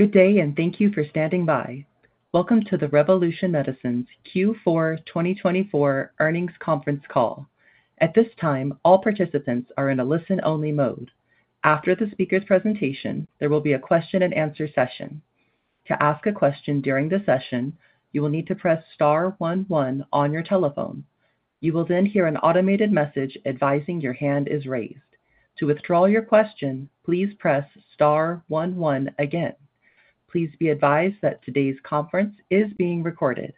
Good day, and thank you for standing by. Welcome to the Revolution Medicines Q4 2024 earnings conference call. At this time, all participants are in a listen-only mode. After the speaker's presentation, there will be a question-and-answer session. To ask a question during the session, you will need to press star 11 on your telephone. You will then hear an automated message advising your hand is raised. To withdraw your question, please press star 11 again. Please be advised that today's conference is being recorded.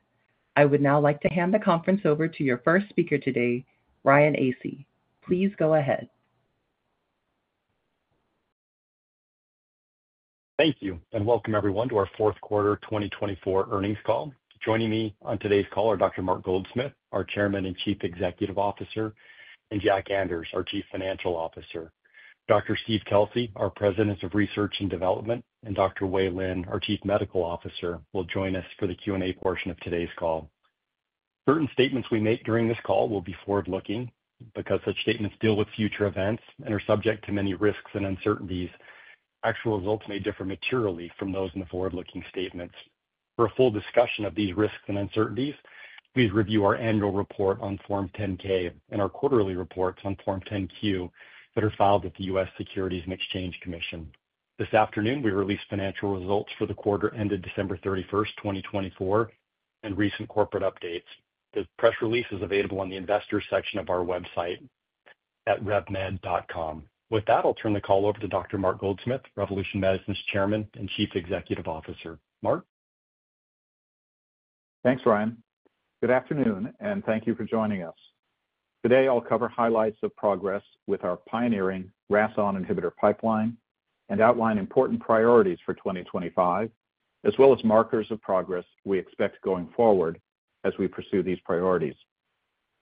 I would now like to hand the conference over to your first speaker today, Ryan Acey. Please go ahead. Thank you, and welcome everyone to our fourth quarter 2024 earnings call. Joining me on today's call are Dr. Mark Goldsmith, our Chairman and Chief Executive Officer, and Jack Anders, our Chief Financial Officer. Dr. Steve Kelsey, our President of Research and Development, and Dr. Wei Lin, our Chief Medical Officer, will join us for the Q&A portion of today's call. Certain statements we make during this call will be forward-looking because such statements deal with future events and are subject to many risks and uncertainties. Actual results may differ materially from those in the forward-looking statements. For a full discussion of these risks and uncertainties, please review our annual report on Form 10-K and our quarterly reports on Form 10-Q that are filed at the U.S. Securities and Exchange Commission. This afternoon, we released financial results for the quarter ended December 31, 2024, and recent corporate updates. The press release is available on the Investor section of our website at revmed.com. With that, I'll turn the call over to Dr. Mark Goldsmith, Revolution Medicines Chairman and Chief Executive Officer. Mark. Thanks, Ryan. Good afternoon, and thank you for joining us. Today, I'll cover highlights of progress with our pioneering RASON inhibitor pipeline and outline important priorities for 2025, as well as markers of progress we expect going forward as we pursue these priorities.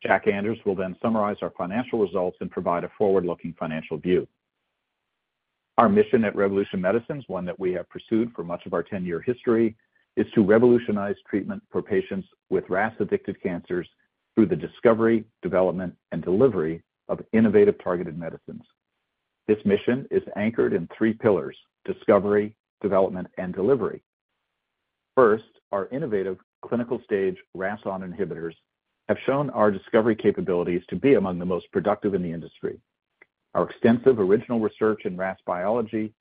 Jack Anders will then summarize our financial results and provide a forward-looking financial view. Our mission at Revolution Medicines, one that we have pursued for much of our 10-year history, is to revolutionize treatment for patients with RAS-addicted cancers through the discovery, development, and delivery of innovative targeted medicines. This mission is anchored in three pillars: discovery, development, and delivery. First, our innovative clinical-stage RASON inhibitors have shown our discovery capabilities to be among the most productive in the industry. Our extensive original research in RAS biology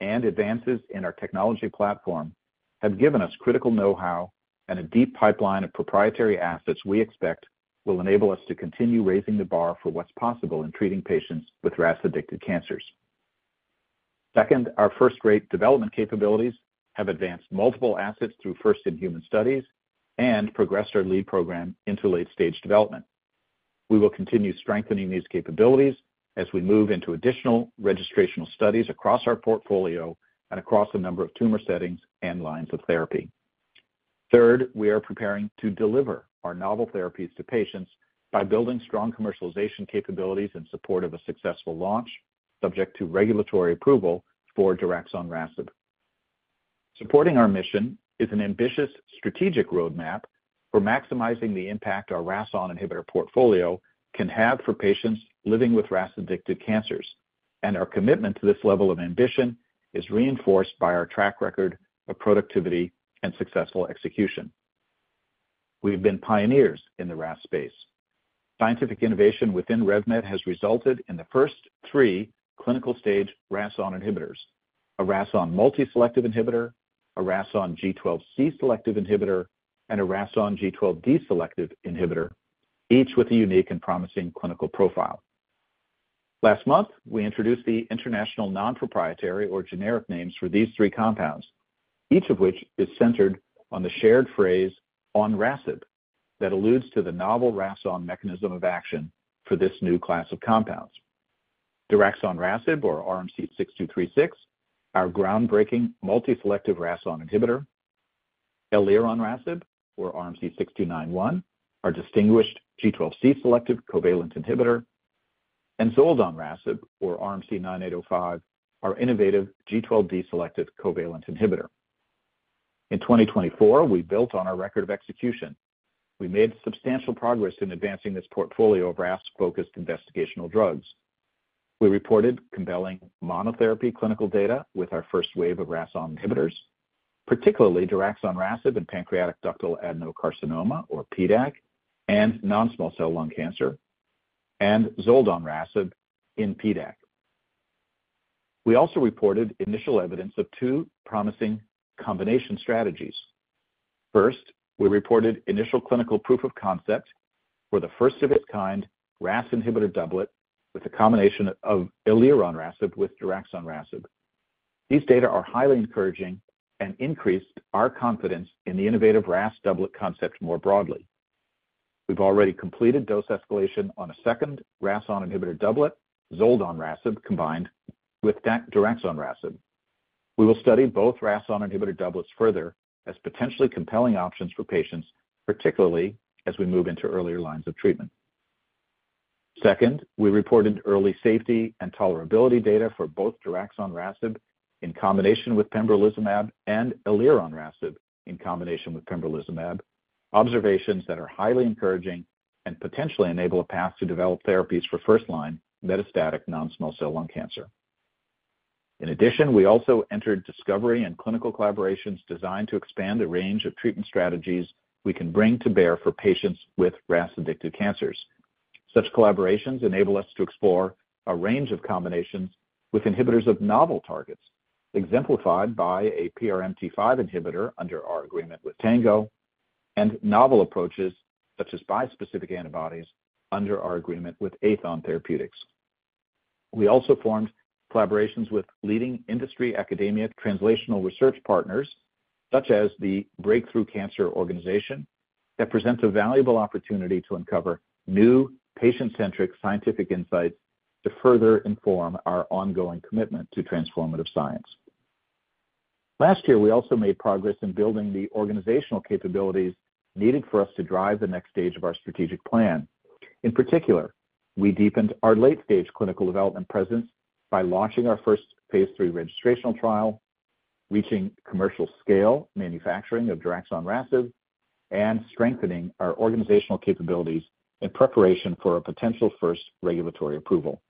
and advances in our technology platform have given us critical know-how and a deep pipeline of proprietary assets we expect will enable us to continue raising the bar for what's possible in treating patients with RAS-addicted cancers. Second, our first-rate development capabilities have advanced multiple assets through first-in-human studies and progressed our lead program into late-stage development. We will continue strengthening these capabilities as we move into additional registrational studies across our portfolio and across a number of tumor settings and lines of therapy. Third, we are preparing to deliver our novel therapies to patients by building strong commercialization capabilities in support of a successful launch subject to regulatory approval for Diraxon/RASIB. Supporting our mission is an ambitious strategic roadmap for maximizing the impact our RASON inhibitor portfolio can have for patients living with RAS-addicted cancers, and our commitment to this level of ambition is reinforced by our track record of productivity and successful execution. We've been pioneers in the RAS space. Scientific innovation within RevMed has resulted in the first three clinical-stage RASON inhibitors: a RASON multi-selective inhibitor, a RASON G12C-selective inhibitor, and a RASON G12D-selective inhibitor, each with a unique and promising clinical profile. Last month, we introduced the international non-proprietary or generic names for these three compounds, each of which is centered on the shared phrase onrasib that alludes to the novel RASON mechanism of action for this new class of compounds. daraxonrasib, or RMC-6236, our groundbreaking multi-selective RASON inhibitor. elironrasib, or RMC-6291, our distinguished G12C-selective covalent inhibitor. And Zoldon/RASIB, or RMC-9805, our innovative G12D selective covalent inhibitor. In 2024, we built on our record of execution. We made substantial progress in advancing this portfolio of RAS-focused investigational drugs. We reported compelling monotherapy clinical data with our first wave of RAS(ON) inhibitors, particularly Diraxon/RASIB in pancreatic ductal adenocarcinoma, or PDAC, and non-small cell lung cancer, and Zoldon/RASIB in PDAC. We also reported initial evidence of two promising combination strategies. First, we reported initial clinical proof of concept for the first-of-its-kind RAS inhibitor doublet with a combination of Eliron/RASIB with Diraxon/RASIB. These data are highly encouraging and increased our confidence in the innovative RAS doublet concept more broadly. We've already completed dose escalation on a second RAS(ON) inhibitor doublet, Zoldon/RASIB combined with Diraxon/RASIB. We will study both RAS(ON) inhibitor doublets further as potentially compelling options for patients, particularly as we move into earlier lines of treatment. Second, we reported early safety and tolerability data for both Diraxon/RASIB in combination with pembrolizumab and Eliron/RASIB in combination with pembrolizumab, observations that are highly encouraging and potentially enable a path to develop therapies for first-line metastatic non-small cell lung cancer. In addition, we also entered discovery and clinical collaborations designed to expand the range of treatment strategies we can bring to bear for patients with RAS-addicted cancers. Such collaborations enable us to explore a range of combinations with inhibitors of novel targets, exemplified by a PRMT5 inhibitor under our agreement with Tango, and novel approaches such as bispecific antibodies under our agreement with Aethon Therapeutics. We also formed collaborations with leading industry and academia translational research partners, such as the Breakthrough Cancer Organization, that presents a valuable opportunity to uncover new patient-centric scientific insights to further inform our ongoing commitment to transformative science. Last year, we also made progress in building the organizational capabilities needed for us to drive the next stage of our strategic plan. In particular, we deepened our late-stage clinical development presence by launching our first phase three registrational trial, reaching commercial-scale manufacturing of Diraxon/RASIB, and strengthening our organizational capabilities in preparation for a potential first regulatory approval.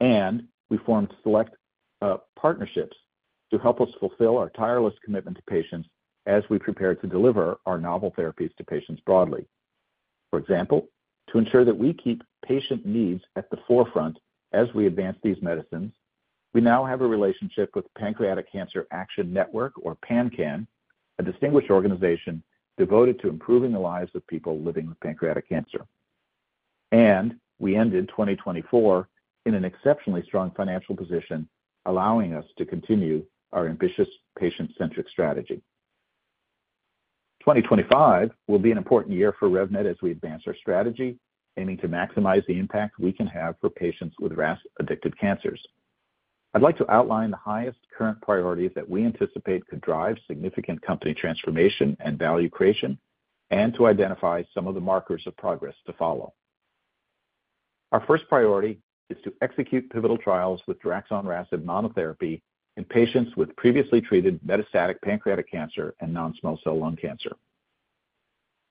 And we formed select partnerships to help us fulfill our tireless commitment to patients as we prepare to deliver our novel therapies to patients broadly. For example, to ensure that we keep patient needs at the forefront as we advance these medicines, we now have a relationship with Pancreatic Cancer Action Network, or PanCAN, a distinguished organization devoted to improving the lives of people living with pancreatic cancer. And we ended 2024 in an exceptionally strong financial position, allowing us to continue our ambitious patient-centric strategy. 2025 will be an important year for RevMed as we advance our strategy, aiming to maximize the impact we can have for patients with RAS-addicted cancers. I'd like to outline the highest current priorities that we anticipate could drive significant company transformation and value creation and to identify some of the markers of progress to follow. Our first priority is to execute pivotal trials with Diraxon/RASIB monotherapy in patients with previously treated metastatic pancreatic cancer and non-small cell lung cancer.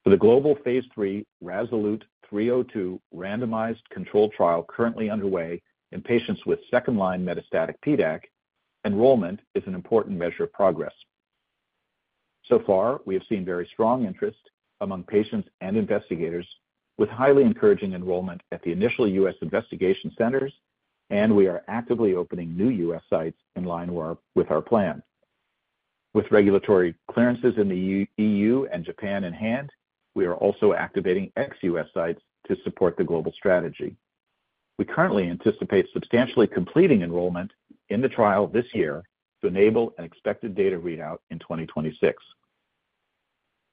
For the global phase three RASALUTE 302 randomized control trial currently underway in patients with second-line metastatic PDAC, enrollment is an important measure of progress. So far, we have seen very strong interest among patients and investigators, with highly encouraging enrollment at the initial U.S. investigational centers, and we are actively opening new U.S. sites in line with our plan. With regulatory clearances in the EU and Japan in hand, we are also activating ex-U.S. sites to support the global strategy. We currently anticipate substantially completing enrollment in the trial this year to enable an expected data readout in 2026.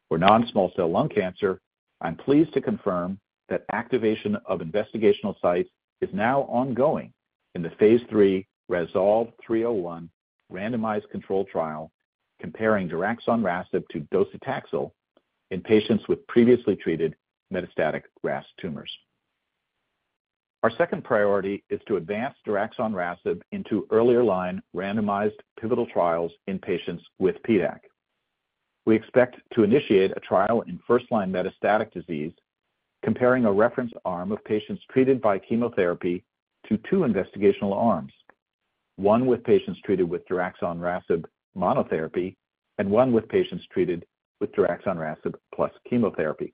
For non-small cell lung cancer, I'm pleased to confirm that activation of investigational sites is now ongoing in the phase 3 RASALT-301 randomized controlled trial comparing Diraxon/RASIB to docetaxel in patients with previously treated metastatic RAS tumors. Our second priority is to advance Diraxon/RASIB into earlier line randomized pivotal trials in patients with PDAC. We expect to initiate a trial in first-line metastatic disease comparing a reference arm of patients treated by chemotherapy to two investigational arms, one with patients treated with Diraxon/RASIB monotherapy and one with patients treated with Diraxon/RASIB plus chemotherapy.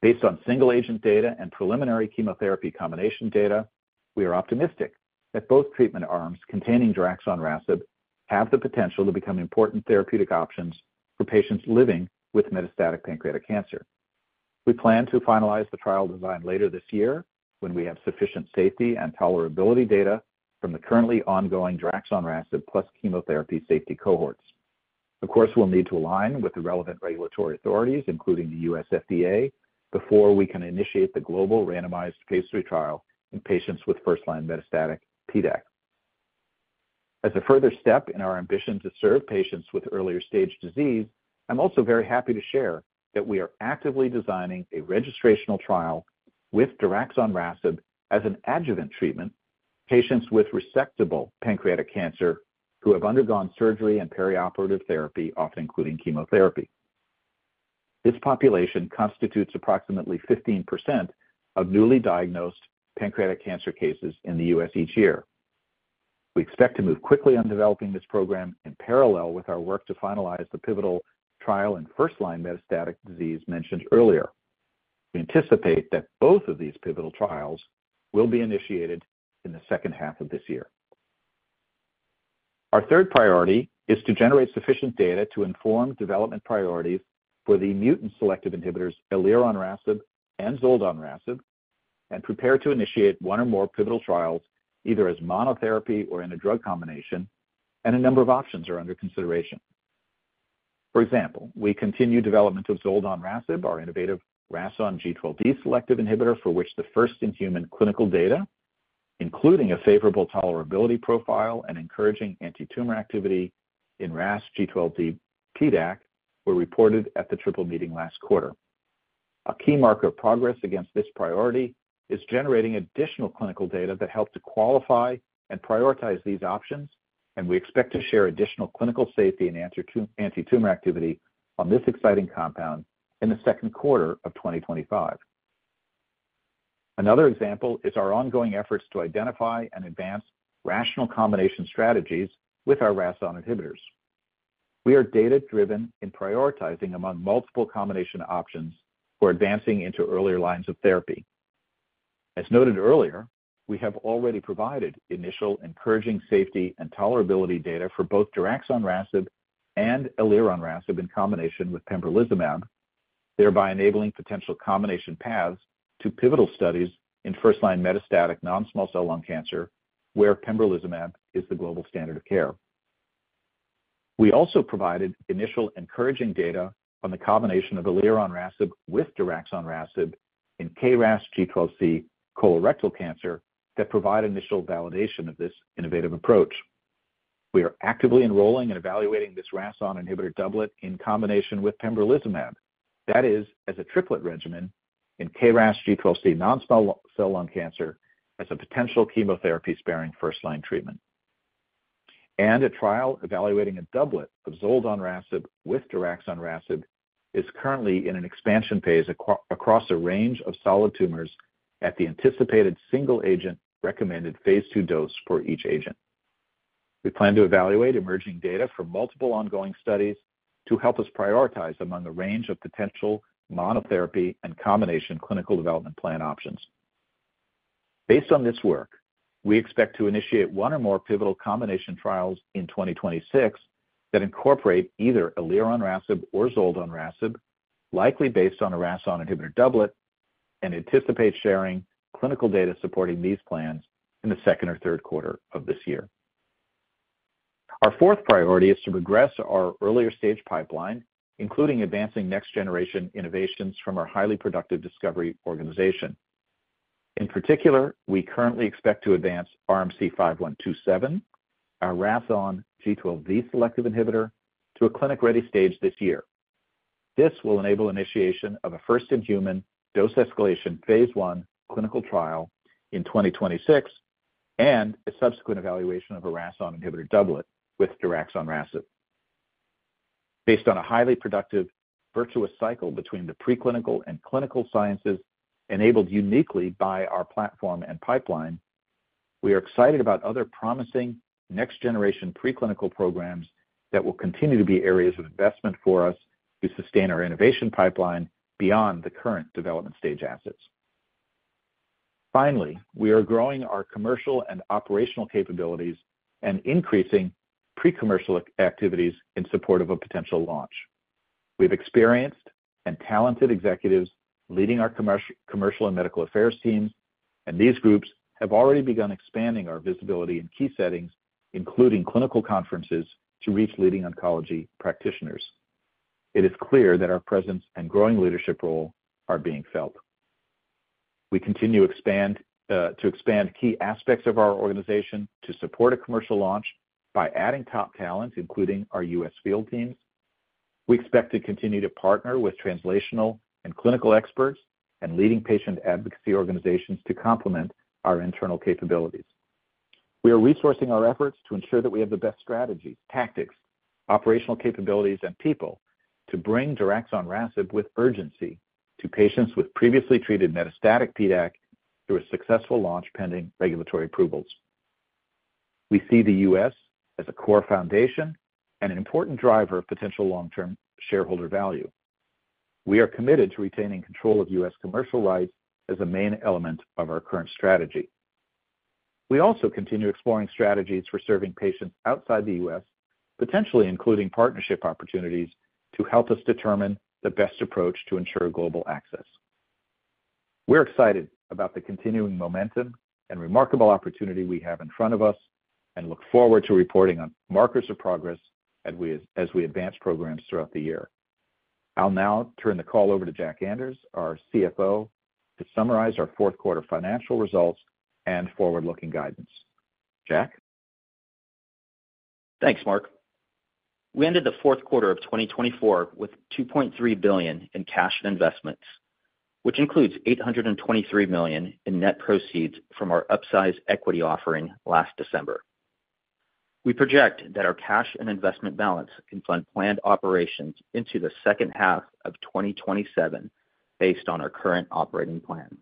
Based on single-agent data and preliminary chemotherapy combination data, we are optimistic that both treatment arms containing Diraxon/RASIB have the potential to become important therapeutic options for patients living with metastatic pancreatic cancer. We plan to finalize the trial design later this year when we have sufficient safety and tolerability data from the currently ongoing Diraxon/RASIB plus chemotherapy safety cohorts. Of course, we'll need to align with the relevant regulatory authorities, including the U.S. FDA, before we can initiate the global randomized phase 3 trial in patients with first-line metastatic PDAC. As a further step in our ambition to serve patients with earlier stage disease, I'm also very happy to share that we are actively designing a registrational trial with Diraxon/RASIB as an adjuvant treatment for patients with resectable pancreatic cancer who have undergone surgery and perioperative therapy, often including chemotherapy. This population constitutes approximately 15% of newly diagnosed pancreatic cancer cases in the U.S. each year. We expect to move quickly on developing this program in parallel with our work to finalize the pivotal trial in first-line metastatic disease mentioned earlier. We anticipate that both of these pivotal trials will be initiated in the second half of this year. Our third priority is to generate sufficient data to inform development priorities for the mutant selective inhibitors Eliron/RASIB and Zoldon/RASIB and prepare to initiate one or more pivotal trials, either as monotherapy or in a drug combination, and a number of options are under consideration. For example, we continue development of Zoldon/RASIB, our innovative RASON G12D selective inhibitor for which the first-in-human clinical data, including a favorable tolerability profile and encouraging antitumor activity in RAS G12D PDAC, were reported at the triple meeting last quarter. A key marker of progress against this priority is generating additional clinical data that help to qualify and prioritize these options, and we expect to share additional clinical safety and antitumor activity on this exciting compound in the second quarter of 2025. Another example is our ongoing efforts to identify and advance rational combination strategies with our RASON inhibitors. We are data-driven in prioritizing among multiple combination options for advancing into earlier lines of therapy. As noted earlier, we have already provided initial encouraging safety and tolerability data for both Diraxon/RASIB and Eliron/RASIB in combination with pembrolizumab, thereby enabling potential combination paths to pivotal studies in first-line metastatic non-small cell lung cancer, where pembrolizumab is the global standard of care. We also provided initial encouraging data on the combination of Eliron/RASIB with Diraxon/RASIB in KRAS G12C colorectal cancer that provide initial validation of this innovative approach. We are actively enrolling and evaluating this RASON inhibitor doublet in combination with pembrolizumab, that is, as a triplet regimen in KRAS G12C non-small cell lung cancer as a potential chemotherapy-sparing first-line treatment. And a trial evaluating a doublet of Zoldon/RASIB with Diraxon/RASIB is currently in an expansion phase across a range of solid tumors at the anticipated single-agent recommended phase two dose for each agent. We plan to evaluate emerging data from multiple ongoing studies to help us prioritize among a range of potential monotherapy and combination clinical development plan options. Based on this work, we expect to initiate one or more pivotal combination trials in 2026 that incorporate either Eliron/RASIB or Zoldon/RASIB, likely based on a RASON inhibitor doublet, and anticipate sharing clinical data supporting these plans in the second or third quarter of this year. Our fourth priority is to progress our earlier stage pipeline, including advancing next-generation innovations from our highly productive discovery organization. In particular, we currently expect to advance RMC-5127, our RASON G12D selective inhibitor, to a clinic-ready stage this year. This will enable initiation of a first-in-human dose escalation phase one clinical trial in 2026 and a subsequent evaluation of a RASON inhibitor doublet with Diraxon/RASIB. Based on a highly productive virtuous cycle between the preclinical and clinical sciences enabled uniquely by our platform and pipeline, we are excited about other promising next-generation preclinical programs that will continue to be areas of investment for us to sustain our innovation pipeline beyond the current development stage assets. Finally, we are growing our commercial and operational capabilities and increasing pre-commercial activities in support of a potential launch. We have experienced and talented executives leading our commercial and medical affairs teams, and these groups have already begun expanding our visibility in key settings, including clinical conferences, to reach leading oncology practitioners. It is clear that our presence and growing leadership role are being felt. We continue to expand key aspects of our organization to support a commercial launch by adding top talent, including our U.S. field teams. We expect to continue to partner with translational and clinical experts and leading patient advocacy organizations to complement our internal capabilities. We are resourcing our efforts to ensure that we have the best strategies, tactics, operational capabilities, and people to bring Diraxon/RASIB with urgency to patients with previously treated metastatic PDAC through a successful launch pending regulatory approvals. We see the U.S. as a core foundation and an important driver of potential long-term shareholder value. We are committed to retaining control of U.S. commercial rights as a main element of our current strategy. We also continue exploring strategies for serving patients outside the U.S., potentially including partnership opportunities to help us determine the best approach to ensure global access. We're excited about the continuing momentum and remarkable opportunity we have in front of us and look forward to reporting on markers of progress as we advance programs throughout the year. I'll now turn the call over to Jack Anders, our CFO, to summarize our fourth quarter financial results and forward-looking guidance. Jack? Thanks, Mark. We ended the fourth quarter of 2024 with $2.3 billion in cash and investments, which includes $823 million in net proceeds from our upsize equity offering last December. We project that our cash and investment balance can fund planned operations into the second half of 2027 based on our current operating plan.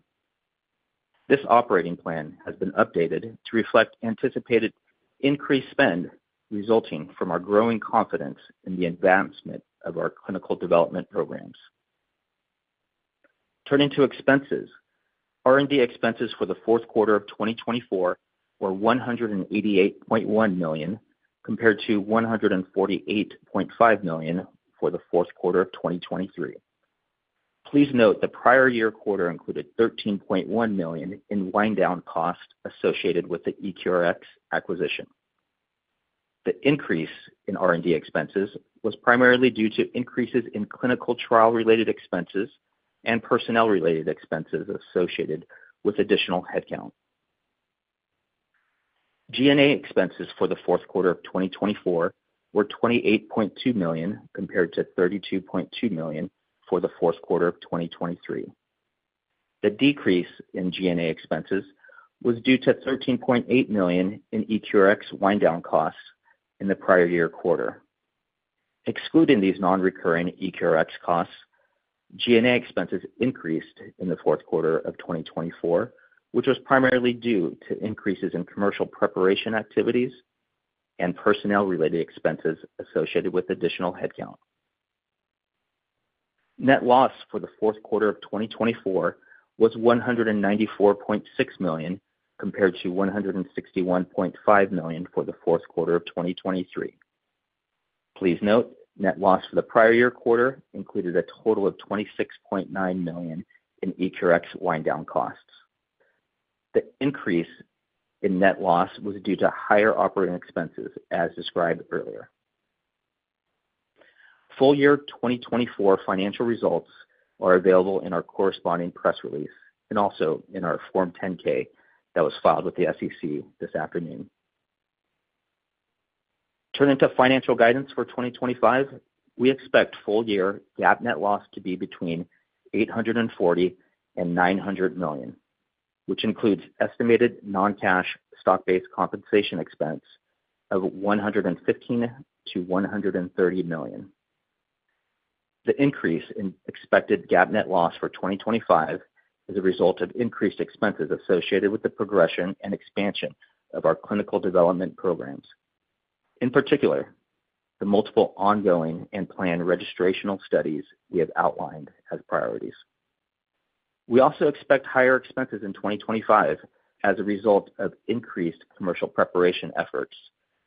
This operating plan has been updated to reflect anticipated increased spend resulting from our growing confidence in the advancement of our clinical development programs. Turning to expenses, R&D expenses for the fourth quarter of 2024 were $188.1 million compared to $148.5 million for the fourth quarter of 2023. Please note the prior year quarter included $13.1 million in wind-down costs associated with the EQRx acquisition. The increase in R&D expenses was primarily due to increases in clinical trial-related expenses and personnel-related expenses associated with additional headcount. G&A expenses for the fourth quarter of 2024 were $28.2 million compared to $32.2 million for the fourth quarter of 2023. The decrease in G&A expenses was due to $13.8 million in EQRx wind-down costs in the prior year quarter. Excluding these non-recurring EQRx costs, G&A expenses increased in the fourth quarter of 2024, which was primarily due to increases in commercial preparation activities and personnel-related expenses associated with additional headcount. Net loss for the fourth quarter of 2024 was $194.6 million compared to $161.5 million for the fourth quarter of 2023. Please note net loss for the prior year quarter included a total of $26.9 million in EQRx wind-down costs. The increase in net loss was due to higher operating expenses, as described earlier. Full year 2024 financial results are available in our corresponding press release and also in our Form 10-K that was filed with the SEC this afternoon. Turning to financial guidance for 2025, we expect full year GAAP net loss to be between $840 and $900 million, which includes estimated non-cash stock-based compensation expense of $115 to $130 million. The increase in expected GAAP net loss for 2025 is a result of increased expenses associated with the progression and expansion of our clinical development programs. In particular, the multiple ongoing and planned registrational studies we have outlined as priorities. We also expect higher expenses in 2025 as a result of increased commercial preparation efforts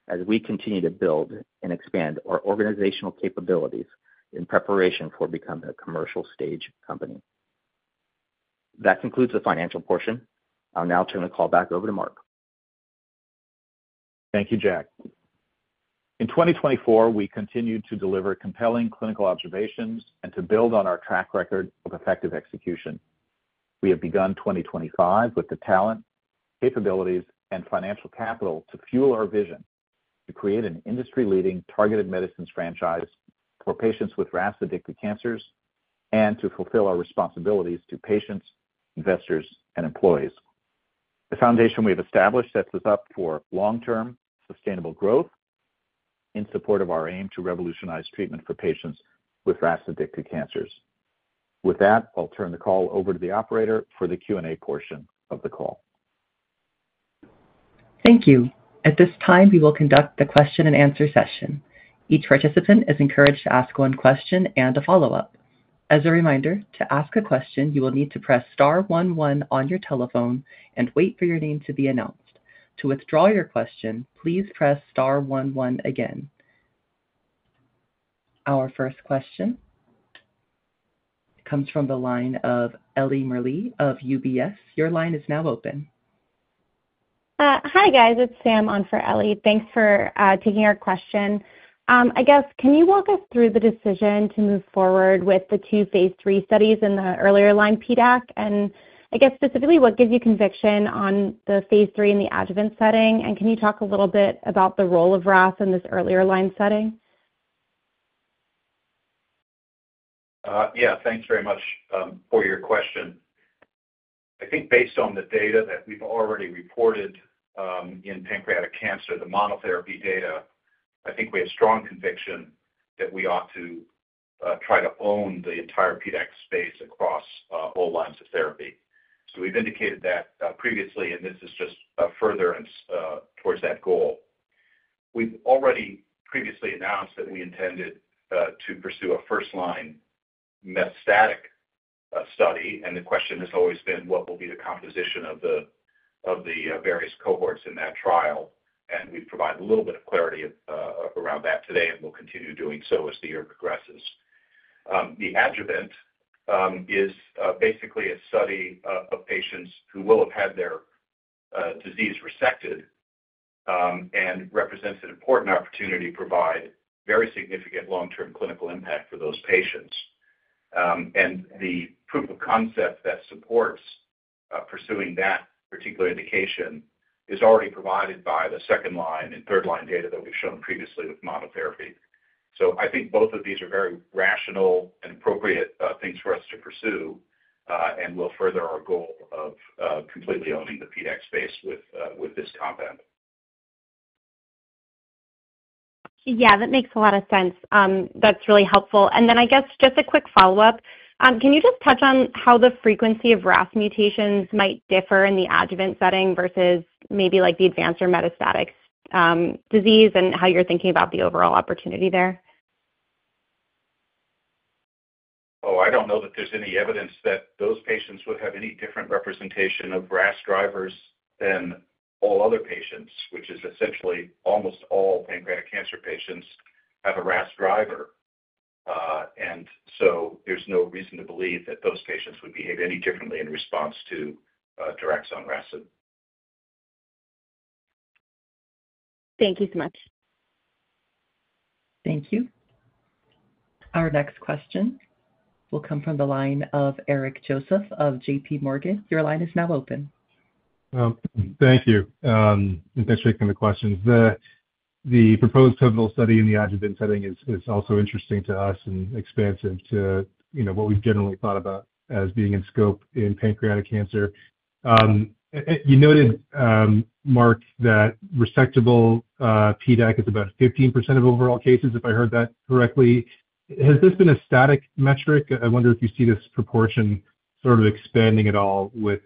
as we continue to build and expand our organizational capabilities in preparation for becoming a commercial stage company. That concludes the financial portion. I'll now turn the call back over to Mark. Thank you, Jack. In 2024, we continue to deliver compelling clinical observations and to build on our track record of effective execution. We have begun 2025 with the talent, capabilities, and financial capital to fuel our vision to create an industry-leading targeted medicines franchise for patients with RAS-addicted cancers and to fulfill our responsibilities to patients, investors, and employees. The foundation we have established sets us up for long-term sustainable growth in support of our aim to revolutionize treatment for patients with RAS-addicted cancers. With that, I'll turn the call over to the operator for the Q&A portion of the call. Thank you. At this time, we will conduct the question-and-answer session. Each participant is encouraged to ask one question and a follow-up. As a reminder, to ask a question, you will need to press star 11 on your telephone and wait for your name to be announced. To withdraw your question, please press star 11 again. Our first question comes from the line of Eliana Merle of UBS. Your line is now open. Hi, guys. It's Sam on for Eliana. Thanks for taking our question. I guess, can you walk us through the decision to move forward with the two phase three studies in the earlier line PDAC? I guess, specifically, what gives you conviction on the phase 3 in the adjuvant setting? And can you talk a little bit about the role of RAS in this earlier line setting? Yeah. Thanks very much for your question. I think based on the data that we've already reported in pancreatic cancer, the monotherapy data, I think we have strong conviction that we ought to try to own the entire PDAC space across all lines of therapy. So we've indicated that previously, and this is just further towards that goal. We've already previously announced that we intended to pursue a first-line metastatic study, and the question has always been, what will be the composition of the various cohorts in that trial? And we've provided a little bit of clarity around that today, and we'll continue doing so as the year progresses. The adjuvant is basically a study of patients who will have had their disease resected and represents an important opportunity to provide very significant long-term clinical impact for those patients. And the proof of concept that supports pursuing that particular indication is already provided by the second-line and third-line data that we've shown previously with monotherapy. So I think both of these are very rational and appropriate things for us to pursue and will further our goal of completely owning the PDAC space with this compound. Yeah. That makes a lot of sense. That's really helpful. And then I guess just a quick follow-up. Can you just touch on how the frequency of RAS mutations might differ in the adjuvant setting versus maybe the advanced or metastatic disease and how you're thinking about the overall opportunity there? Oh, I don't know that there's any evidence that those patients would have any different representation of RAS drivers than all other patients, which is essentially almost all pancreatic cancer patients have a RAS driver. And so there's no reason to believe that those patients would behave any differently in response to Diraxon/RASIB. Thank you so much. Thank you. Our next question will come from the line of Eric Joseph of J.P. Morgan. Your line is now open. Thank you. And thanks for taking the questions. The proposed pivotal study in the adjuvant setting is also interesting to us and expansive to what we've generally thought about as being in scope in pancreatic cancer. You noted, Mark, that resectable PDAC is about 15% of overall cases, if I heard that correctly. Has this been a static metric? I wonder if you see this proportion sort of expanding at all with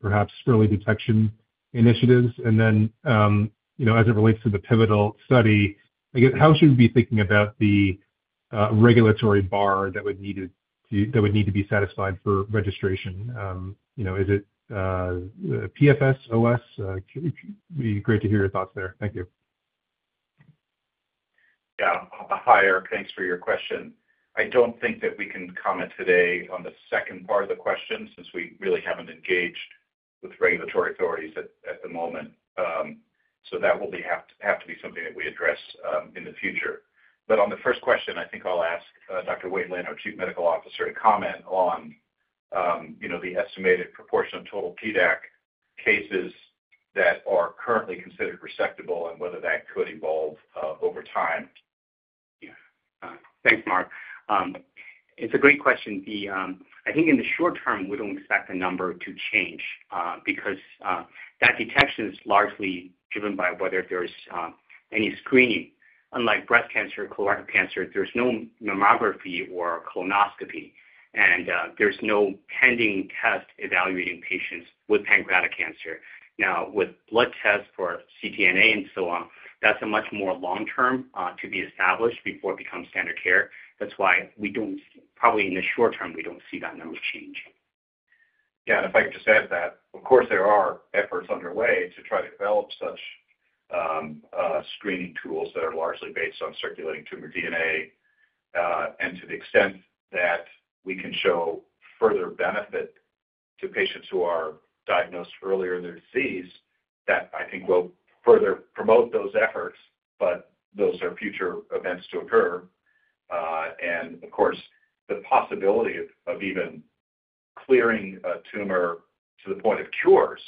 perhaps early detection initiatives. And then as it relates to the pivotal study, I guess, how should we be thinking about the regulatory bar that would need to be satisfied for registration? Is it PFSOS? It'd be great to hear your thoughts there. Thank you. Yeah. Hi, Eric. Thanks for your question. I don't think that we can comment today on the second part of the question since we really haven't engaged with regulatory authorities at the moment. So that will have to be something that we address in the future. But on the first question, I think I'll ask Dr. Wei Lin, our Chief Medical Officer, to comment on the estimated proportion of total PDAC cases that are currently considered resectable and whether that could evolve over time. Yeah. Thanks, Mark. It's a great question. I think in the short term, we don't expect the number to change because that detection is largely driven by whether there's any screening. Unlike breast cancer or colorectal cancer, there's no mammography or colonoscopy, and there's no pending test evaluating patients with pancreatic cancer. Now, with blood tests for ctDNA and so on, that's a much more long-term to be established before it becomes standard care. That's why we don't probably in the short term, we don't see that number change. Yeah, and if I could just add to that, of course, there are efforts underway to try to develop such screening tools that are largely based on circulating tumor DNA. To the extent that we can show further benefit to patients who are diagnosed earlier in their disease, that I think will further promote those efforts, but those are future events to occur. And of course, the possibility of even clearing a tumor to the point of cures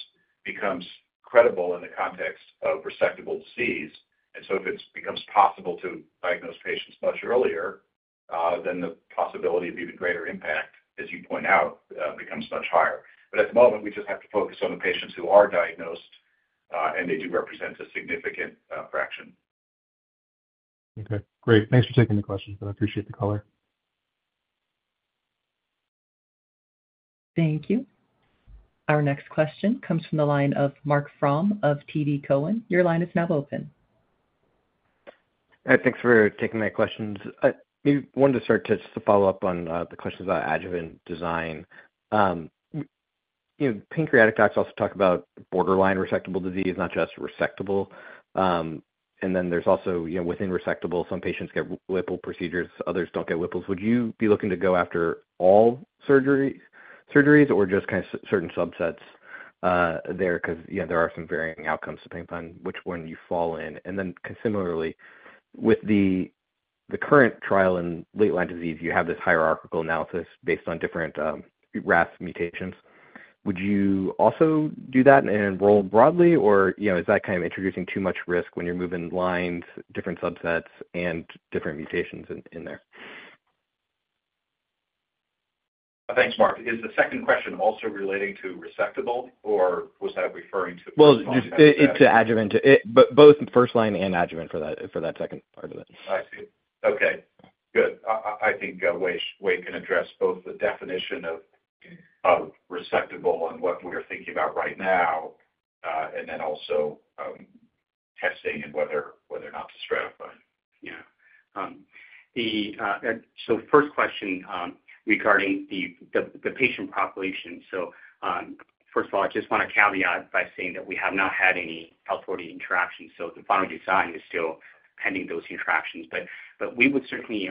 becomes credible in the context of resectable disease. And so if it becomes possible to diagnose patients much earlier, then the possibility of even greater impact, as you point out, becomes much higher. But at the moment, we just have to focus on the patients who are diagnosed, and they do represent a significant fraction. Okay. Great. Thanks for taking the questions, but I appreciate the color. Thank you. Our next question comes from the line of Marc Frahm of TD Cowen. Your line is now open. Thanks for taking my questions. I wanted to start to just follow up on the questions about adjuvant design. Pancreatic docs also talk about borderline resectable disease, not just resectable. And then there's also within resectable, some patients get Whipple procedures, others don't get Whipples. Would you be looking to go after all surgeries or just kind of certain subsets there? Because there are some varying outcomes to pinpoint which one you fall in. And then similarly, with the current trial in late-line disease, you have this hierarchical analysis based on different RAS mutations. Would you also do that and enroll broadly, or is that kind of introducing too much risk when you're moving lines, different subsets, and different mutations in there? Thanks, Mark. Is the second question also relating to resectable, or was that referring to adjuvant? Well, it's adjuvant, both first line and adjuvant for that second part of it. I see. Okay. Good. I think Wei can address both the definition of resectable and what we're thinking about right now, and then also testing and whether or not to stratify. Yeah. So first question regarding the patient population. First of all, I just want to caveat by saying that we have not had any health-related interactions. So the final design is still pending those interactions. But we would certainly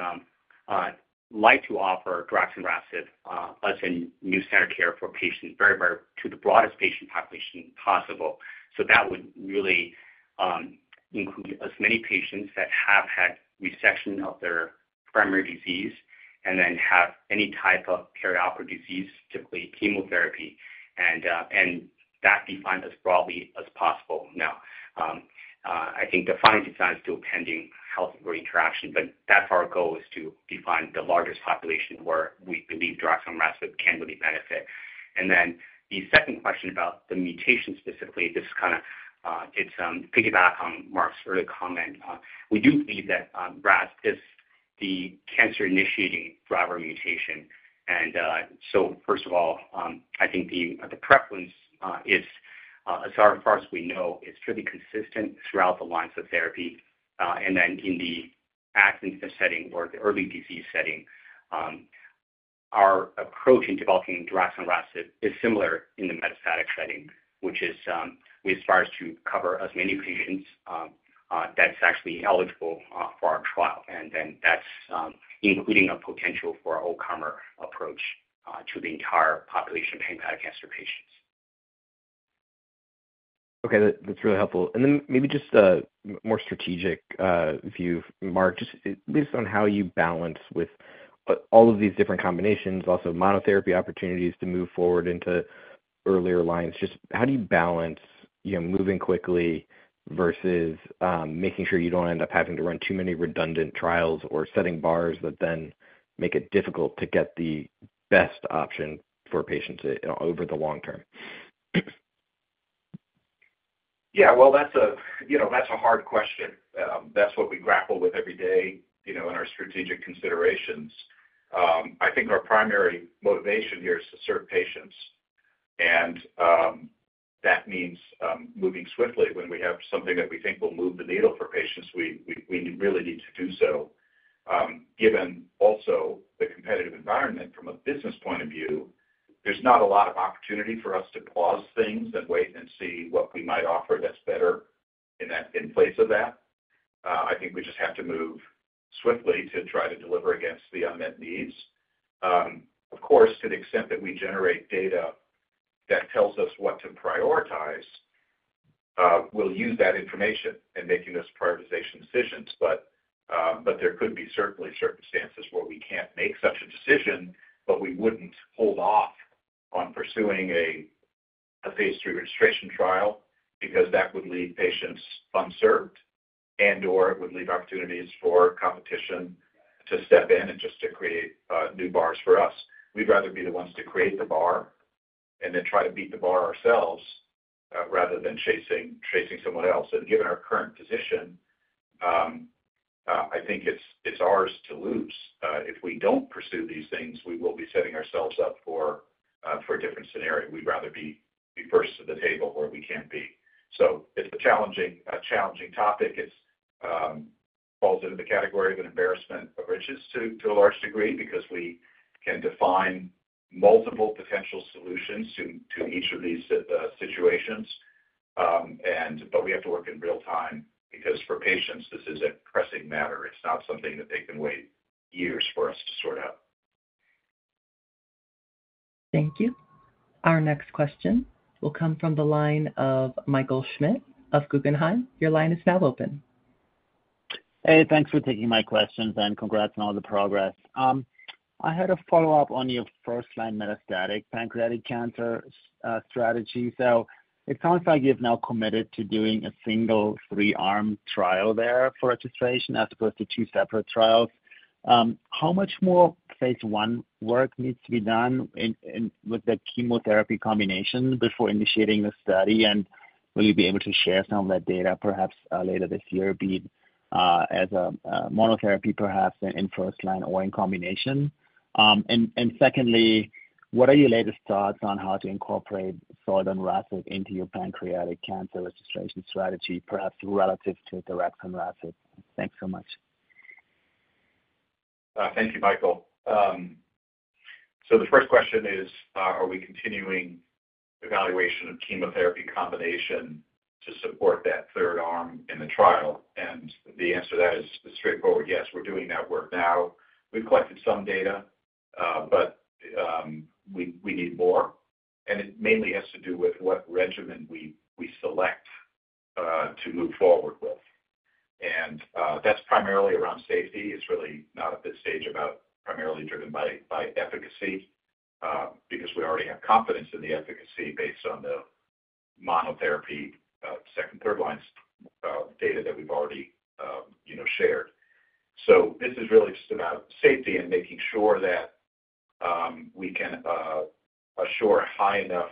like to offer Diraxon/RASIB as a new standard care for patients to the broadest patient population possible. So that would really include as many patients that have had resection of their primary disease and then have any type of perioperative disease, typically chemotherapy, and that be defined as broadly as possible. Now, I think the final design is still pending health-related interaction, but that's our goal is to define the largest population where we believe Diraxon/RASIB can really benefit. And then the second question about the mutation specifically, this kind of piggyback on Mark's earlier comment. We do believe that RAS is the cancer-initiating driver mutation. So first of all, I think the prevalence, as far as we know, is fairly consistent throughout the lines of therapy. And then in the adjuvant setting or the early disease setting, our approach in developing Diraxon/RASIB is similar in the metastatic setting, which is as far as to cover as many patients that's actually eligible for our trial. And then that's including a potential for our all-comer approach to the entire population of pancreatic cancer patients. Okay. That's really helpful. And then maybe just a more strategic view, Mark, just based on how you balance with all of these different combinations, also monotherapy opportunities to move forward into earlier lines. Just how do you balance moving quickly versus making sure you don't end up having to run too many redundant trials or setting bars that then make it difficult to get the best option for patients over the long term? Yeah. Well, that's a hard question. That's what we grapple with every day in our strategic considerations. I think our primary motivation here is to serve patients. And that means moving swiftly. When we have something that we think will move the needle for patients, we really need to do so. Given also the competitive environment from a business point of view, there's not a lot of opportunity for us to pause things and wait and see what we might offer that's better in place of that. I think we just have to move swiftly to try to deliver against the unmet needs. Of course, to the extent that we generate data that tells us what to prioritize, we'll use that information in making those prioritization decisions. But there could certainly be circumstances where we can't make such a decision, but we wouldn't hold off on pursuing a phase 3 registration trial because that would leave patients unserved and/or it would leave opportunities for competition to step in and just to create new bars for us. We'd rather be the ones to create the bar and then try to beat the bar ourselves rather than chasing someone else. And given our current position, I think it's ours to lose. If we don't pursue these things, we will be setting ourselves up for a different scenario. We'd rather be first to the table where we can be. So it's a challenging topic. It falls into the category of an embarrassment of riches to a large degree because we can define multiple potential solutions to each of these situations. But we have to work in real time because for patients, this is a pressing matter. It's not something that they can wait years for us to sort out. Thank you. Our next question will come from the line of Michael Schmidt of Guggenheim. Your line is now open. Hey, thanks for taking my questions and congrats on all the progress. I had a follow-up on your first-line metastatic pancreatic cancer strategy. So it sounds like you've now committed to doing a single three-arm trial there for registration as opposed to two separate trials. How much more phase one work needs to be done with the chemotherapy combination before initiating the study? And will you be able to share some of that data perhaps later this year, be it as a monotherapy perhaps in first line or in combination? And secondly, what are your latest thoughts on how to incorporate Zoldon/RASIB into your pancreatic cancer registration strategy, perhaps relative to Diraxon/RASIB? Thanks so much. Thank you, Michael. So the first question is, are we continuing evaluation of chemotherapy combination to support that third arm in the trial? And the answer to that is straightforward, yes. We're doing that work now. We've collected some data, but we need more. And it mainly has to do with what regimen we select to move forward with. And that's primarily around safety. It's really not at this stage about primarily driven by efficacy because we already have confidence in the efficacy based on the monotherapy second, third line data that we've already shared. So this is really just about safety and making sure that we can assure a high enough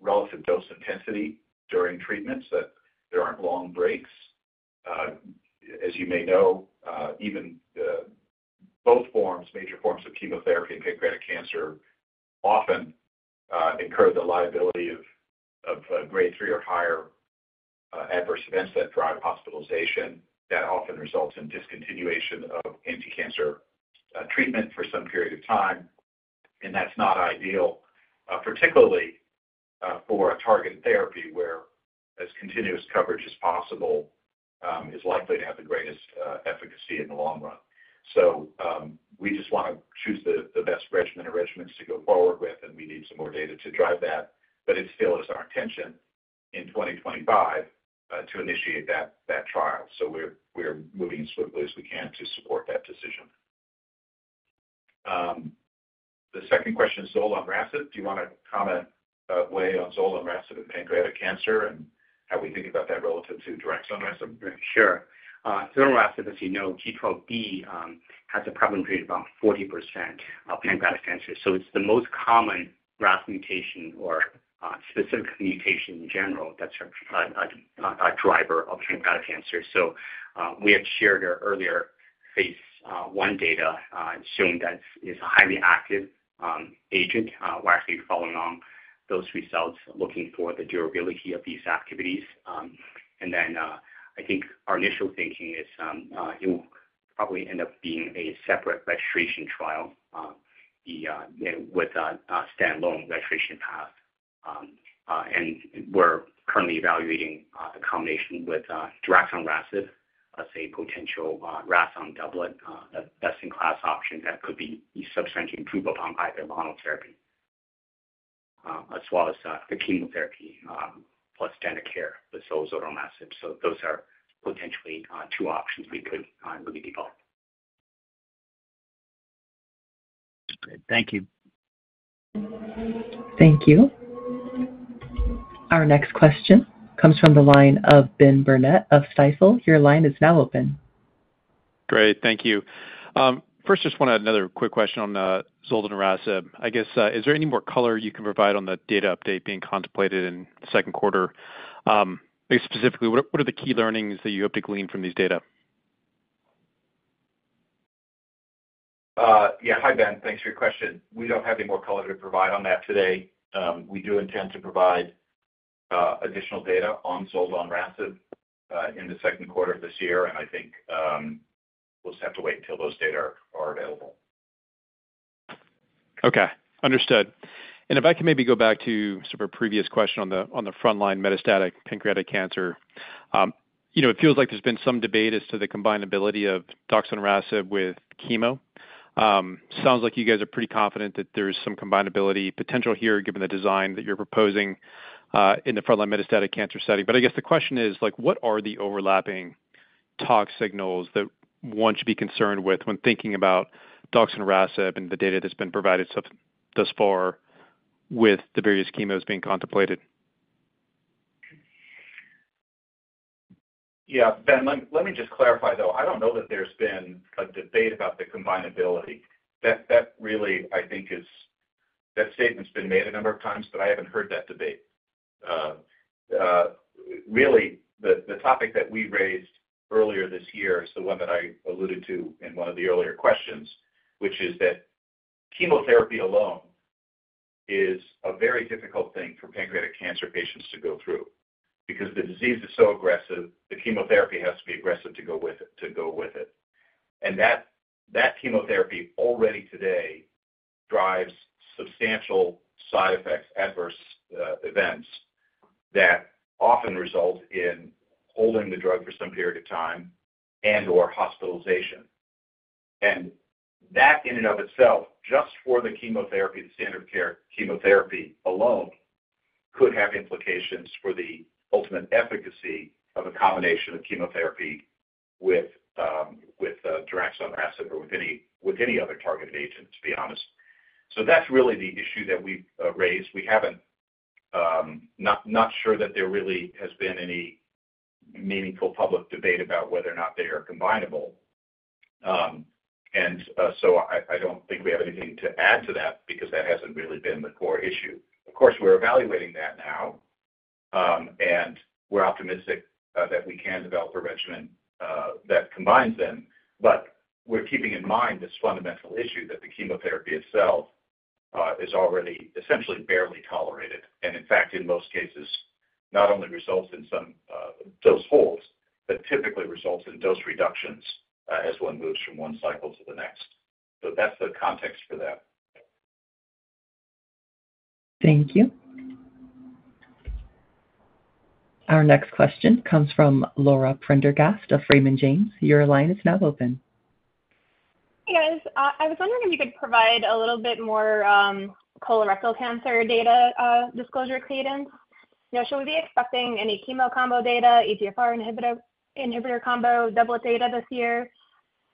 relative dose intensity during treatments that there aren't long breaks. As you may know, even both forms, major forms of chemotherapy in pancreatic cancer often incur the liability of grade 3 or higher adverse events that drive hospitalization. That often results in discontinuation of anti-cancer treatment for some period of time. And that's not ideal, particularly for a targeted therapy whereas continuous coverage as possible is likely to have the greatest efficacy in the long run. So we just want to choose the best regimen or regimens to go forward with, and we need some more data to drive that. But it still is our intention in 2025 to initiate that trial. So we're moving as swiftly as we can to support that decision. The second question is Zoldonrasib. Do you want to comment away on Zoldon/RASIB and pancreatic cancer and how we think about that relative to Diraxon/RASIB? Sure. Zoldon/RASIB, as you know, G12D has a prevalence rate of about 40% of pancreatic cancer. So it's the most common RAS mutation or specific mutation in general that's a driver of pancreatic cancer. So we had shared earlier phase one data showing that it's a highly active agent. We're actually following on those results looking for the durability of these activities. And then I think our initial thinking is it will probably end up being a separate registration trial with a standalone registration path. And we're currently evaluating a combination with Diraxon/RASIB as a potential RAS(ON) doublet best-in-class option that could be substantially improved upon either monotherapy as well as the chemotherapy plus standard care with Zoldon/RASIB. So those are potentially two options we could really develop. Thank you. Thank you. Our next question comes from the line of Ben Burnett of Stifel. Your line is now open. Great. Thank you. First, just want another quick question on Zoldonrasib. I guess, is there any more color you can provide on the data update being contemplated in the second quarter? Specifically, what are the key learnings that you hope to glean from these data? Yeah. Hi, Ben. Thanks for your question. We don't have any more color to provide on that today. We do intend to provide additional data on Zoldonrasib in the second quarter of this year. And I think we'll just have to wait until those data are available. Okay. Understood. If I can maybe go back to sort of a previous question on the first-line metastatic pancreatic cancer, it feels like there's been some debate as to the combinability of Diraxon/RASIB with chemo. Sounds like you guys are pretty confident that there's some combinability potential here given the design that you're proposing in the first-line metastatic cancer setting. But I guess the question is, what are the overlapping toxicity signals that one should be concerned with when thinking about Diraxon/RASIB and the data that's been provided thus far with the various chemos being contemplated? Yeah. Ben, let me just clarify, though. I don't know that there's been a debate about the combinability. That really, I think, is that statement's been made a number of times, but I haven't heard that debate. Really, the topic that we raised earlier this year is the one that I alluded to in one of the earlier questions, which is that chemotherapy alone is a very difficult thing for pancreatic cancer patients to go through because the disease is so aggressive. The chemotherapy has to be aggressive to go with it. And that chemotherapy already today drives substantial side effects, adverse events that often result in holding the drug for some period of time and/or hospitalization. And that in and of itself, just for the chemotherapy, the standard care chemotherapy alone could have implications for the ultimate efficacy of a combination of chemotherapy with Diraxon/RASIB or with any other targeted agent, to be honest. So that's really the issue that we've raised. We're not sure that there really has been any meaningful public debate about whether or not they are combinable. And so I don't think we have anything to add to that because that hasn't really been the core issue. Of course, we're evaluating that now. And we're optimistic that we can develop a regimen that combines them. But we're keeping in mind this fundamental issue that the chemotherapy itself is already essentially barely tolerated. And in fact, in most cases, not only results in some dose holds, but typically results in dose reductions as one moves from one cycle to the next. So that's the context for that. Thank you. Our next question comes from Laura Prendergast of Raymond James. Your line is now open. Hey, guys. I was wondering if you could provide a little bit more colorectal cancer data disclosure cadence. Shall we be expecting any chemo combo data, EGFR inhibitor combo, doublet data this year?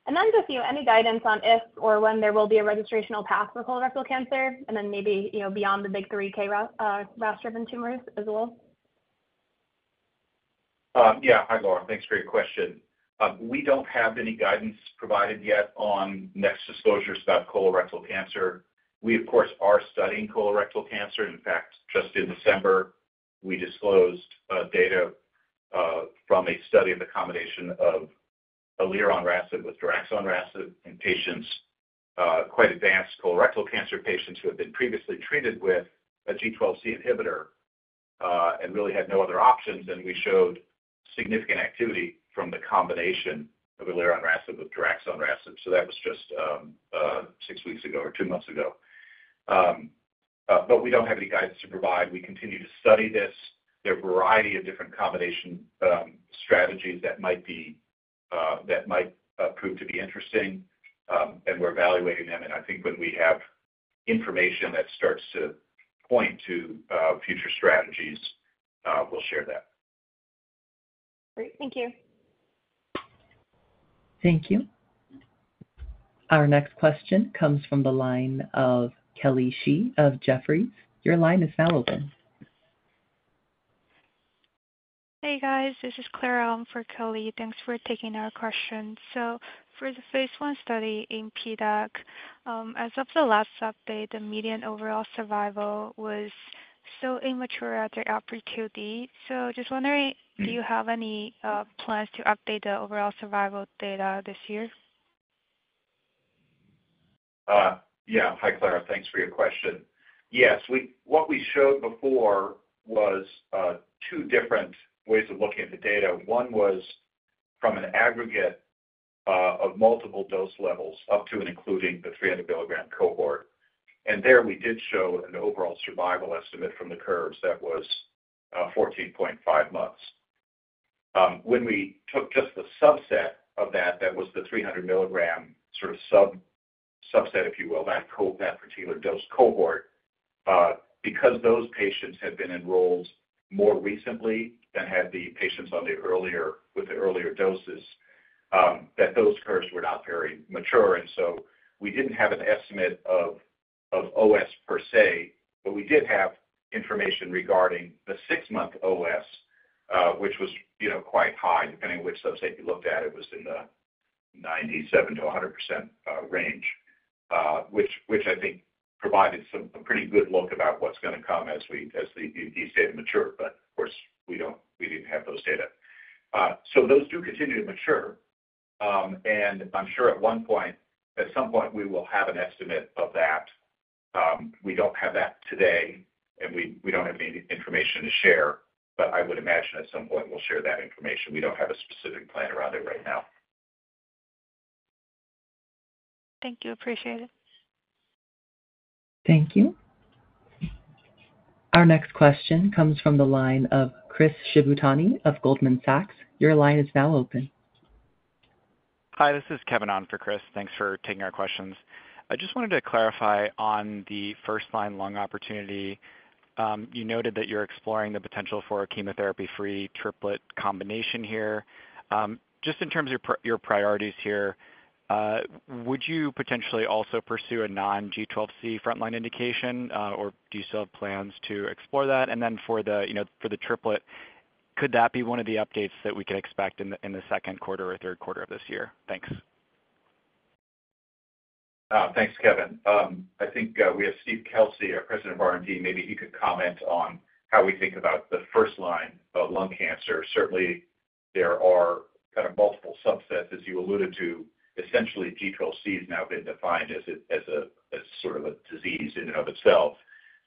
And then just any guidance on if or when there will be a registrational path for colorectal cancer and then maybe beyond the big three KRAS-driven tumors as well? Yeah. Hi, Laura. Thanks for your question. We don't have any guidance provided yet on next disclosures about colorectal cancer. We, of course, are studying colorectal cancer. In fact, just in December, we disclosed data from a study of the combination of elironrasib with daraxonrasib in patients, quite advanced colorectal cancer patients who had been previously treated with a G12C inhibitor and really had no other options. And we showed significant activity from the combination of elironrasib with daraxonrasib. So that was just six weeks ago or two months ago. But we don't have any guidance to provide. We continue to study this. There are a variety of different combination strategies that might prove to be interesting. And we're evaluating them. I think when we have information that starts to point to future strategies, we'll share that. Great. Thank you. Thank you. Our next question comes from the line of Kelly Shi of Jefferies. Your line is now open. Hey, guys. This is Claire Alm for Kelly. Thanks for taking our question. So for the phase one study in PDAC, as of the last update, the median overall survival was still immature at the RP2D. So just wondering, do you have any plans to update the overall survival data this year? Yeah. Hi, Claire. Thanks for your question. Yes. What we showed before was two different ways of looking at the data. One was from an aggregate of multiple dose levels up to and including the 300-milligram cohort. And there we did show an overall survival estimate from the curves that was 14.5 months. When we took just the subset of that, that was the 300-milligram sort of subset, if you will, that particular dose cohort, because those patients had been enrolled more recently than had the patients with the earlier doses, that those curves were not very mature, and so we didn't have an estimate of OS per se, but we did have information regarding the six-month OS, which was quite high. Depending on which subset you looked at, it was in the 97%-100% range, which I think provided a pretty good look about what's going to come as the disease data matured, but of course, we didn't have those data, so those do continue to mature. And I'm sure at one point, at some point, we will have an estimate of that. We don't have that today, and we don't have any information to share. But I would imagine at some point we'll share that information. We don't have a specific plan around it right now. Thank you. Appreciate it. Thank you. Our next question comes from the line of Chris Shibutani of Goldman Sachs. Your line is now open. Hi. This is Kevin Allen for Chris. Thanks for taking our questions. I just wanted to clarify on the first-line lung opportunity. You noted that you're exploring the potential for a chemotherapy-free triplet combination here. Just in terms of your priorities here, would you potentially also pursue a non-G12C front-line indication, or do you still have plans to explore that? And then for the triplet, could that be one of the updates that we could expect in the second quarter or third quarter of this year? Thanks. Thanks, Kevin. I think we have Steve Kelsey, our President of R&D. Maybe he could comment on how we think about the first line of lung cancer. Certainly, there are kind of multiple subsets, as you alluded to. Essentially, G12C has now been defined as sort of a disease in and of itself.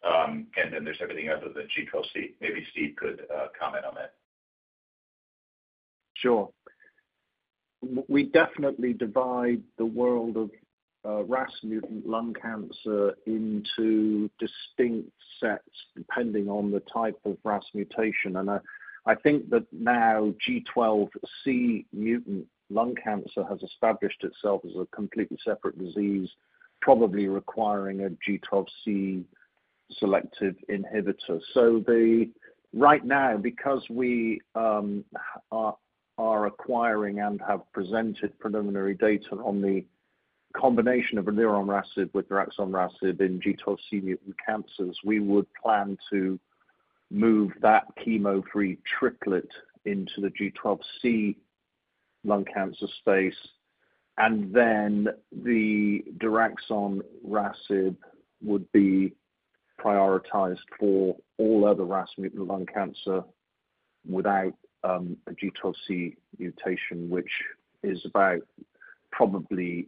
And then there's everything other than G12C. Maybe Steve could comment on that. Sure. We definitely divide the world of RAS mutant lung cancer into distinct sets depending on the type of RAS mutation. And I think that now G12C mutant lung cancer has established itself as a completely separate disease, probably requiring a G12C selective inhibitor. So right now, because we are acquiring and have presented preliminary data on the combination of elironrasib with daraxonrasib in G12C mutant cancers, we would plan to move that chemo-free triplet into the G12C lung cancer space. Then the Diraxon/RASIB would be prioritized for all other RAS mutant lung cancer without a G12C mutation, which is about probably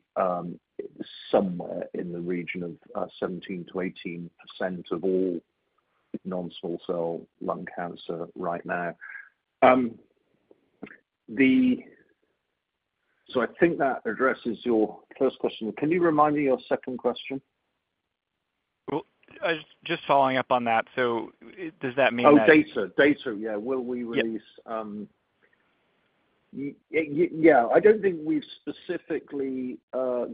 somewhere in the region of 17%-18% of all non-small cell lung cancer right now. So I think that addresses your first question. Can you remind me your second question? Well, just following up on that, so does that mean that? Oh, data. Data. Yeah. Will we release? Yeah. I don't think we've specifically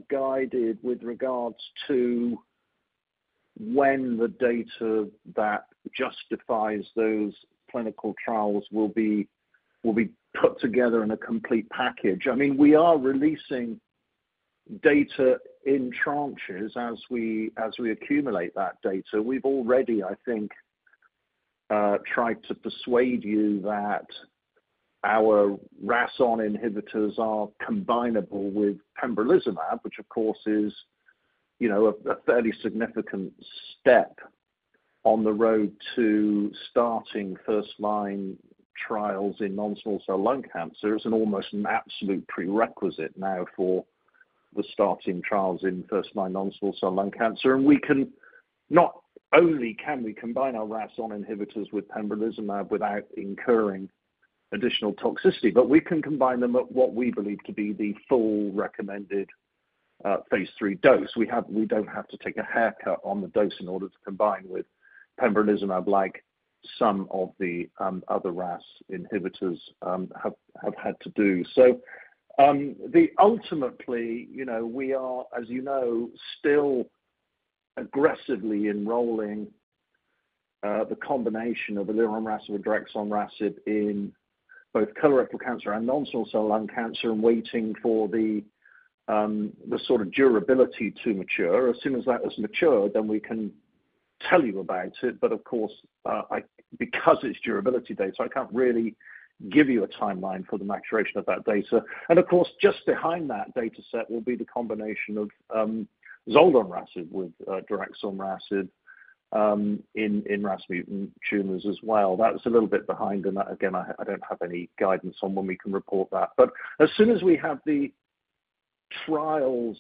guided with regards to when the data that justifies those clinical trials will be put together in a complete package. I mean, we are releasing data in tranches as we accumulate that data. We've already, I think, tried to persuade you that our RAS(ON) inhibitors are combinable with pembrolizumab, which, of course, is a fairly significant step on the road to starting first-line trials in non-small cell lung cancer. It's almost an absolute prerequisite now for the starting trials in first-line non-small cell lung cancer. And not only can we combine our RAS(ON) inhibitors with pembrolizumab without incurring additional toxicity, but we can combine them at what we believe to be the full recommended phase three dose. We don't have to take a haircut on the dose in order to combine with pembrolizumab like some of the other RAS inhibitors have had to do. So ultimately, we are, as you know, still aggressively enrolling the combination of elironrasib with daraxonrasib in both colorectal cancer and non-small cell lung cancer and waiting for the sort of durability to mature. As soon as that has matured, then we can tell you about it. But of course, because it's durability data, I can't really give you a timeline for the maturation of that data. And of course, just behind that data set will be the combination of Zoldon/RASIB with Diraxon/RASIB in RAS mutant tumors as well. That's a little bit behind. And again, I don't have any guidance on when we can report that. But as soon as we have the trial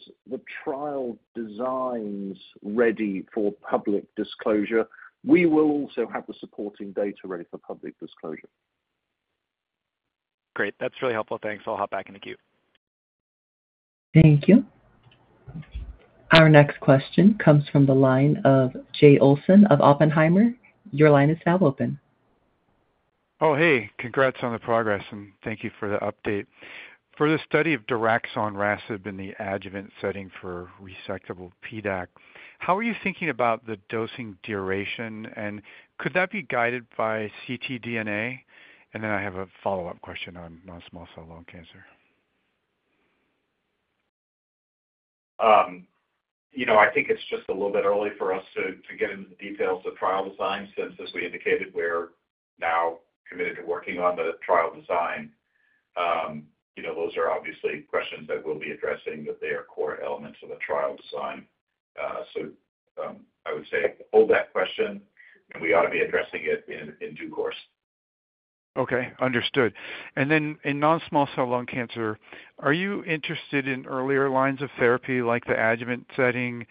designs ready for public disclosure, we will also have the supporting data ready for public disclosure. Great. That's really helpful. Thanks. I'll hop back into queue. Thank you. Our next question comes from the line of Jay Olsen of Oppenheimer. Your line is now open. Oh, hey. Congrats on the progress. And thank you for the update. For the study of Diraxon/RASIB in the adjuvant setting for resectable PDAC, how are you thinking about the dosing duration? And could that be guided by ctDNA? And then I have a follow-up question on non-small cell lung cancer. I think it's just a little bit early for us to get into the details of trial design. Since we indicated we're now committed to working on the trial design, those are obviously questions that we'll be addressing that they are core elements of the trial design. So I would say hold that question. And we ought to be addressing it in due course. Okay. Understood. And then in non-small cell lung cancer, are you interested in earlier lines of therapy like the adjuvant setting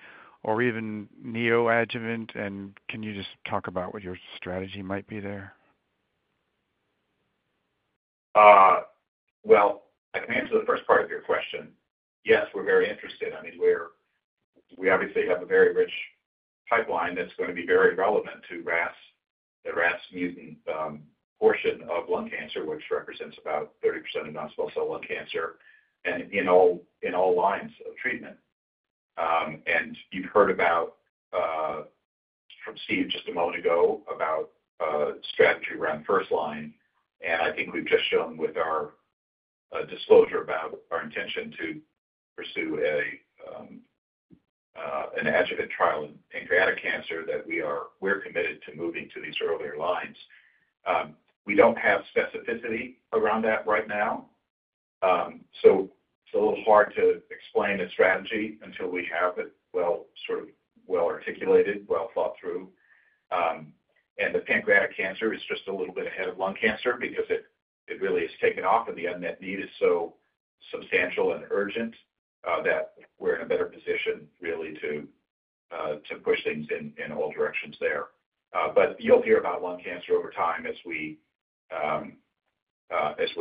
or even neoadjuvant? And can you just talk about what your strategy might be there? Well, I can answer the first part of your question. Yes, we're very interested. I mean, we obviously have a very rich pipeline that's going to be very relevant to RAS, the RAS mutant portion of lung cancer, which represents about 30% of non-small cell lung cancer in all lines of treatment. And you've heard about from Steve just a moment ago about strategy around first line. And I think we've just shown with our disclosure about our intention to pursue an adjuvant trial in pancreatic cancer that we're committed to moving to these earlier lines. We don't have specificity around that right now. So it's a little hard to explain a strategy until we have it well articulated, well thought through. And the pancreatic cancer is just a little bit ahead of lung cancer because it really has taken off, and the unmet need is so substantial and urgent that we're in a better position, really, to push things in all directions there. But you'll hear about lung cancer over time as we're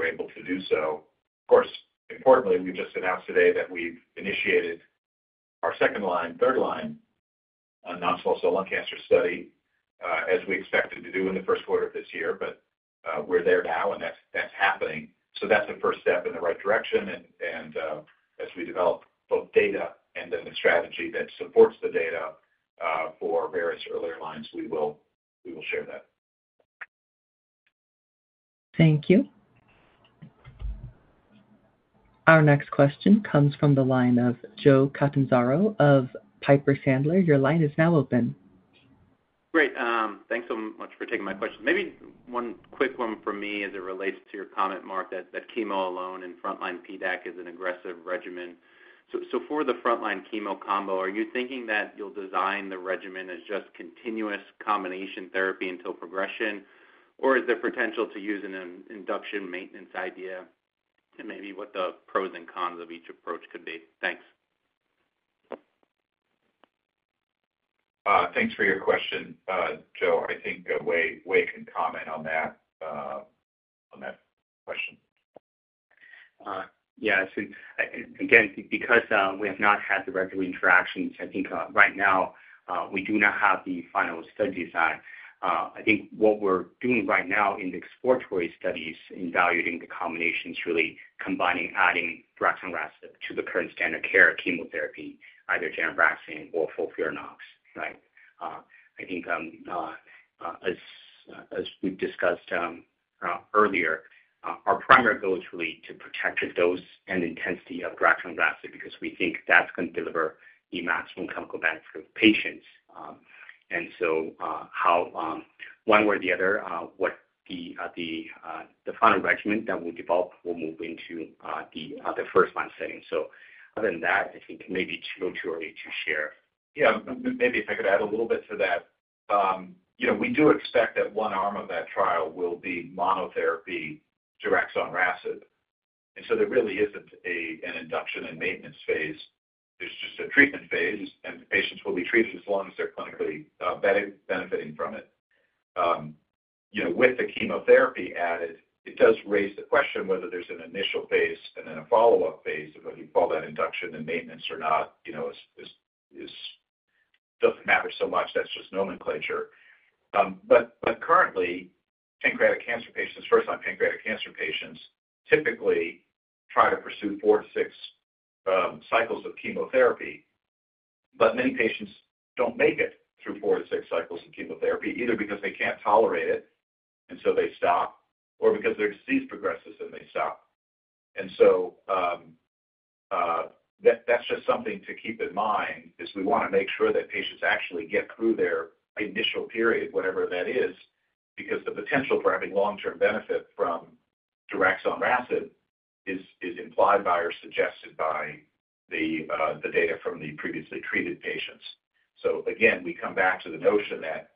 able to do so. Of course, importantly, we just announced today that we've initiated our second line, third line, non-small cell lung cancer study, as we expected to do in the first quarter of this year. But we're there now, and that's happening. So that's the first step in the right direction. And as we develop both data and then the strategy that supports the data for various earlier lines, we will share that. Thank you. Our next question comes from the line of Joe Catanzaro of Piper Sandler. Your line is now open. Great. Thanks so much for taking my question. Maybe one quick one from me as it relates to your comment, Mark, that chemo alone in front line PDAC is an aggressive regimen. So for the front line chemo combo, are you thinking that you'll design the regimen as just continuous combination therapy until progression, or is there potential to use an induction maintenance idea? And maybe what the pros and cons of each approach could be. Thanks. Thanks for your question, Joe. I think Wei can comment on that question. Yeah. Again, because we have not had the regular interactions, I think right now we do not have the final studies on. I think what we're doing right now in the exploratory studies in evaluating the combination is really combining, adding Diraxon/RASIB to the current standard care chemotherapy, either gemcitabine or FOLFIRINOX. Right? I think as we've discussed earlier, our primary goal is really to protect the dose and intensity of Diraxon/RASIB because we think that's going to deliver the maximum clinical benefit of patients. And so one way or the other, the final regimen that we'll develop will move into the first-line setting. So other than that, I think maybe it's a little too early to share. Yeah. Maybe if I could add a little bit to that. We do expect that one arm of that trial will be monotherapy Diraxon/RASIB. And so there really isn't an induction and maintenance phase. There's just a treatment phase, and patients will be treated as long as they're clinically benefiting from it. With the chemotherapy added, it does raise the question whether there's an initial phase and then a follow-up phase of whether you call that induction and maintenance or not. It doesn't matter so much. That's just nomenclature. But currently, pancreatic cancer patients, first-line pancreatic cancer patients, typically try to pursue four to six cycles of chemotherapy. But many patients don't make it through four to six cycles of chemotherapy, either because they can't tolerate it, and so they stop, or because their disease progresses and they stop. And so that's just something to keep in mind is we want to make sure that patients actually get through their initial period, whatever that is, because the potential for having long-term benefit from Diraxon/RASIB is implied by or suggested by the data from the previously treated patients. So again, we come back to the notion that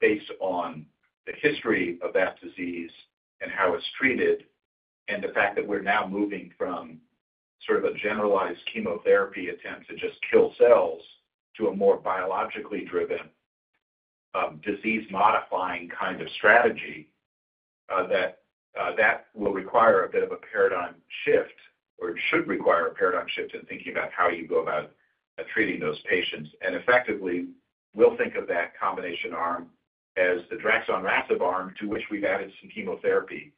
based on the history of that disease and how it's treated and the fact that we're now moving from sort of a generalized chemotherapy attempt to just kill cells to a more biologically driven disease-modifying kind of strategy, that that will require a bit of a paradigm shift or should require a paradigm shift in thinking about how you go about treating those patients. And effectively, we'll think of that combination arm as the Diraxon/RASIB arm to which we've added some chemotherapy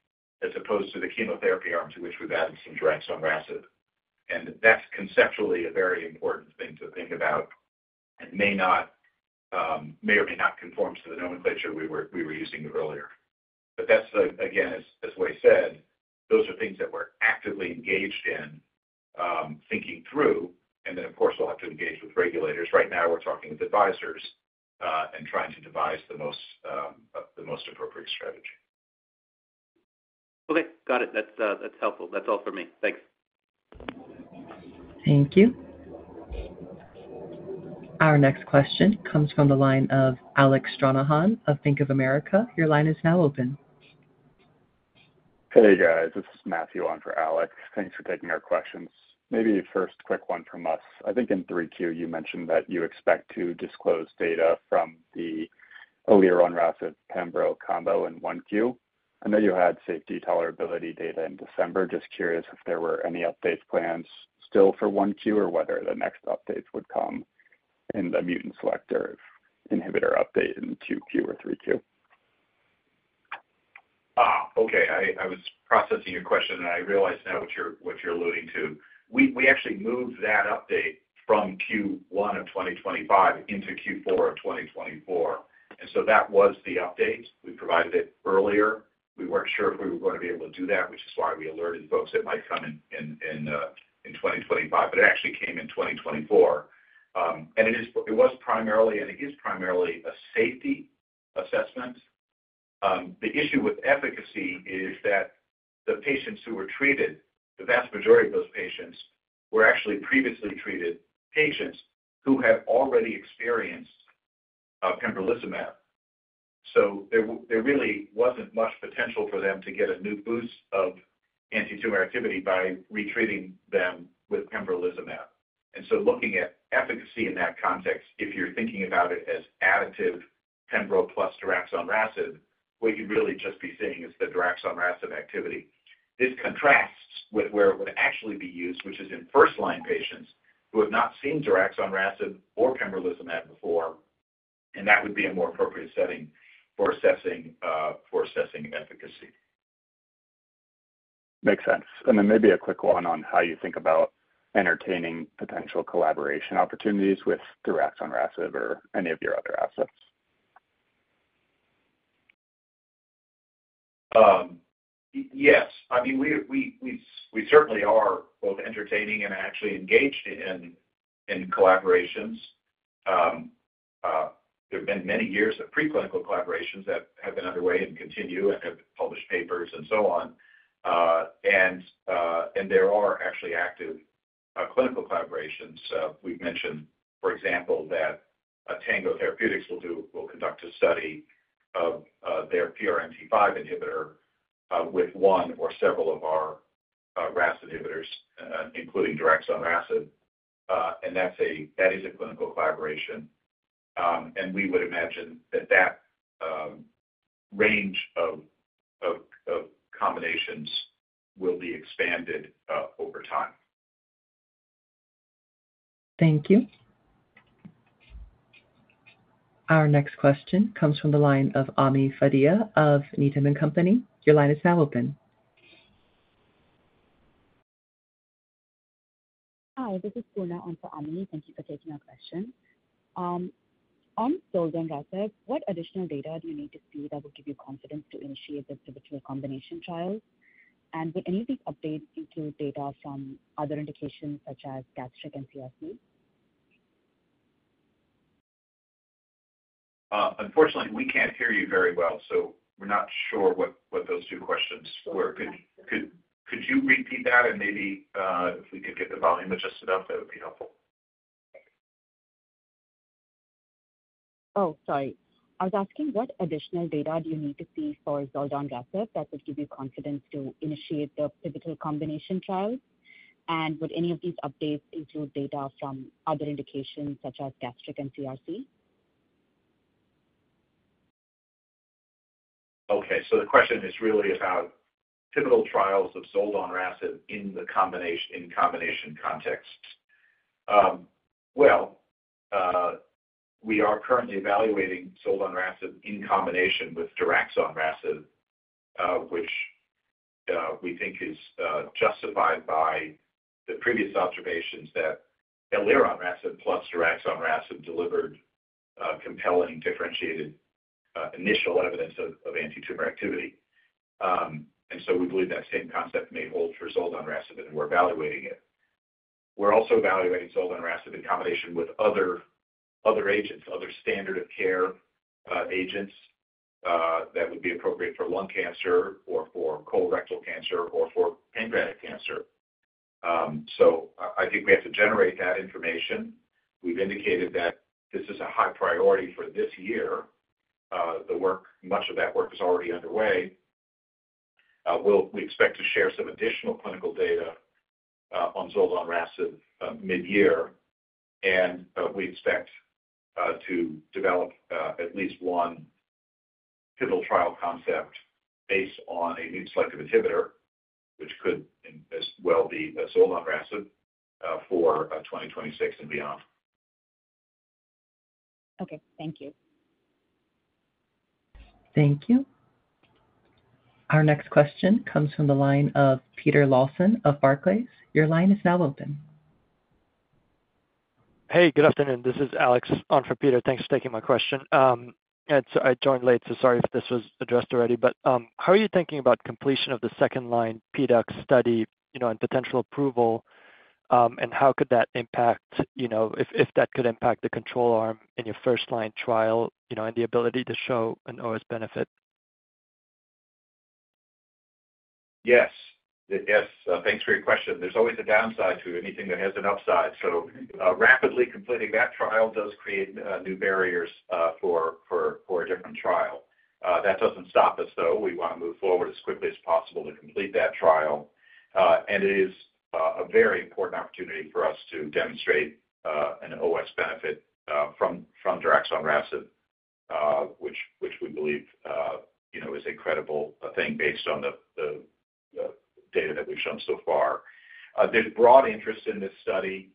as opposed to the chemotherapy arm to which we've added some Diraxon/RASIB. And that's conceptually a very important thing to think about. It may or may not conform to the nomenclature we were using earlier. But that's, again, as Wei said, those are things that we're actively engaged in thinking through. And then, of course, we'll have to engage with regulators. Right now, we're talking with advisors and trying to devise the most appropriate strategy. Okay. Got it. That's helpful. That's all for me. Thanks. Thank you. Our next question comes from the line of Alec Stranahan of Bank of America. Your line is now open. Hey, guys. This is Matthew on for Alec. Thanks for taking our questions. Maybe first quick one from us. I think in 3Q, you mentioned that you expect to disclose data from the elironrasib/pembrolizumab combo in 1Q. I know you had safety tolerability data in December. Just curious if there were any updates plans still for 1Q or whether the next updates would come in the mutant selective inhibitor update in 2Q or 3Q. Okay. I was processing your question, and I realize now what you're alluding to. We actually moved that update from Q1 of 2025 into Q4 of 2024, and so that was the update. We provided it earlier. We weren't sure if we were going to be able to do that, which is why we alerted folks it might come in 2025, but it actually came in 2024, and it was primarily and it is primarily a safety assessment. The issue with efficacy is that the patients who were treated, the vast majority of those patients were actually previously treated patients who had already experienced pembrolizumab, so there really wasn't much potential for them to get a new boost of anti-tumor activity by retreating them with pembrolizumab, and so looking at efficacy in that context, if you're thinking about it as additive pembrol plus Diraxon/RASIB, what you'd really just be seeing is the Diraxon/RASIB activity. This contrasts with where it would actually be used, which is in first-line patients who have not seen Diraxon/RASIB or pembrolizumab before. And that would be a more appropriate setting for assessing efficacy. Makes sense. And then maybe a quick one on how you think about entertaining potential collaboration opportunities with Diraxon/RASIB or any of your other assets. Yes. I mean, we certainly are both entertaining and actually engaged in collaborations. There have been many years of preclinical collaborations that have been underway and continue and have published papers and so on. And there are actually active clinical collaborations. We've mentioned, for example, that Tango Therapeutics will conduct a study of their PRMT5 inhibitor with one or several of our RAS inhibitors, including Diraxon/RASIB. And that is a clinical collaboration. And we would imagine that that range of combinations will be expanded over time. Thank you. Our next question comes from the line of Amy Fadia of Needham & Company. Your line is now open. Hi. This is Poonam on for Amy. Thank you for taking our question. On Zoldonrasib assays, what additional data do you need to see that will give you confidence to initiate the individual combination trials? And would any of these updates include data from other indications such as gastric, NSCLC? Unfortunately, we can't hear you very well, so we're not sure what those two questions were. Could you repeat that? And maybe if we could get the volume adjusted up, that would be helpful. Oh, sorry. I was asking what additional data do you need to see for Zoldonrasib assays that would give you confidence to initiate the pivotal combination trials? And would any of these updates include data from other indications such as gastric, NSCLC? Okay. So the question is really about pivotal trials of Zoldon/RASIB in the combination context. Well, we are currently evaluating Zoldon/RASIB in combination with Diraxon/RASIB, which we think is justified by the previous observations that Eliron/RASIB plus Diraxon/RASIB delivered compelling differentiated initial evidence of anti-tumor activity. And so we believe that same concept may hold for Zoldon/RASIB, and we're evaluating it. We're also evaluating Zoldon/RASIB in combination with other agents, other standard of care agents that would be appropriate for lung cancer or for colorectal cancer or for pancreatic cancer. So I think we have to generate that information. We've indicated that this is a high priority for this year. Much of that work is already underway. We expect to share some additional clinical data on Zoldon/RASIB mid-year. And we expect to develop at least one pivotal trial concept based on a new selective inhibitor, which could as well be zoldonrasib for 2026 and beyond. Okay. Thank you. Thank you. Our next question comes from the line of Peter Lawson of Barclays. Your line is now open. Hey, good afternoon. This is Alex on for Peter. Thanks for taking my question. I joined late, so sorry if this was addressed already. But how are you thinking about completion of the second line PDAC study and potential approval? And how could that impact if that could impact the control arm in your first line trial and the ability to show an OS benefit? Yes. Yes. Thanks for your question. There's always a downside to anything that has an upside. So rapidly completing that trial does create new barriers for a different trial. That doesn't stop us, though. We want to move forward as quickly as possible to complete that trial, and it is a very important opportunity for us to demonstrate an OS benefit from Diraxon/RASIB, which we believe is a credible thing based on the data that we've shown so far. There's broad interest in this study.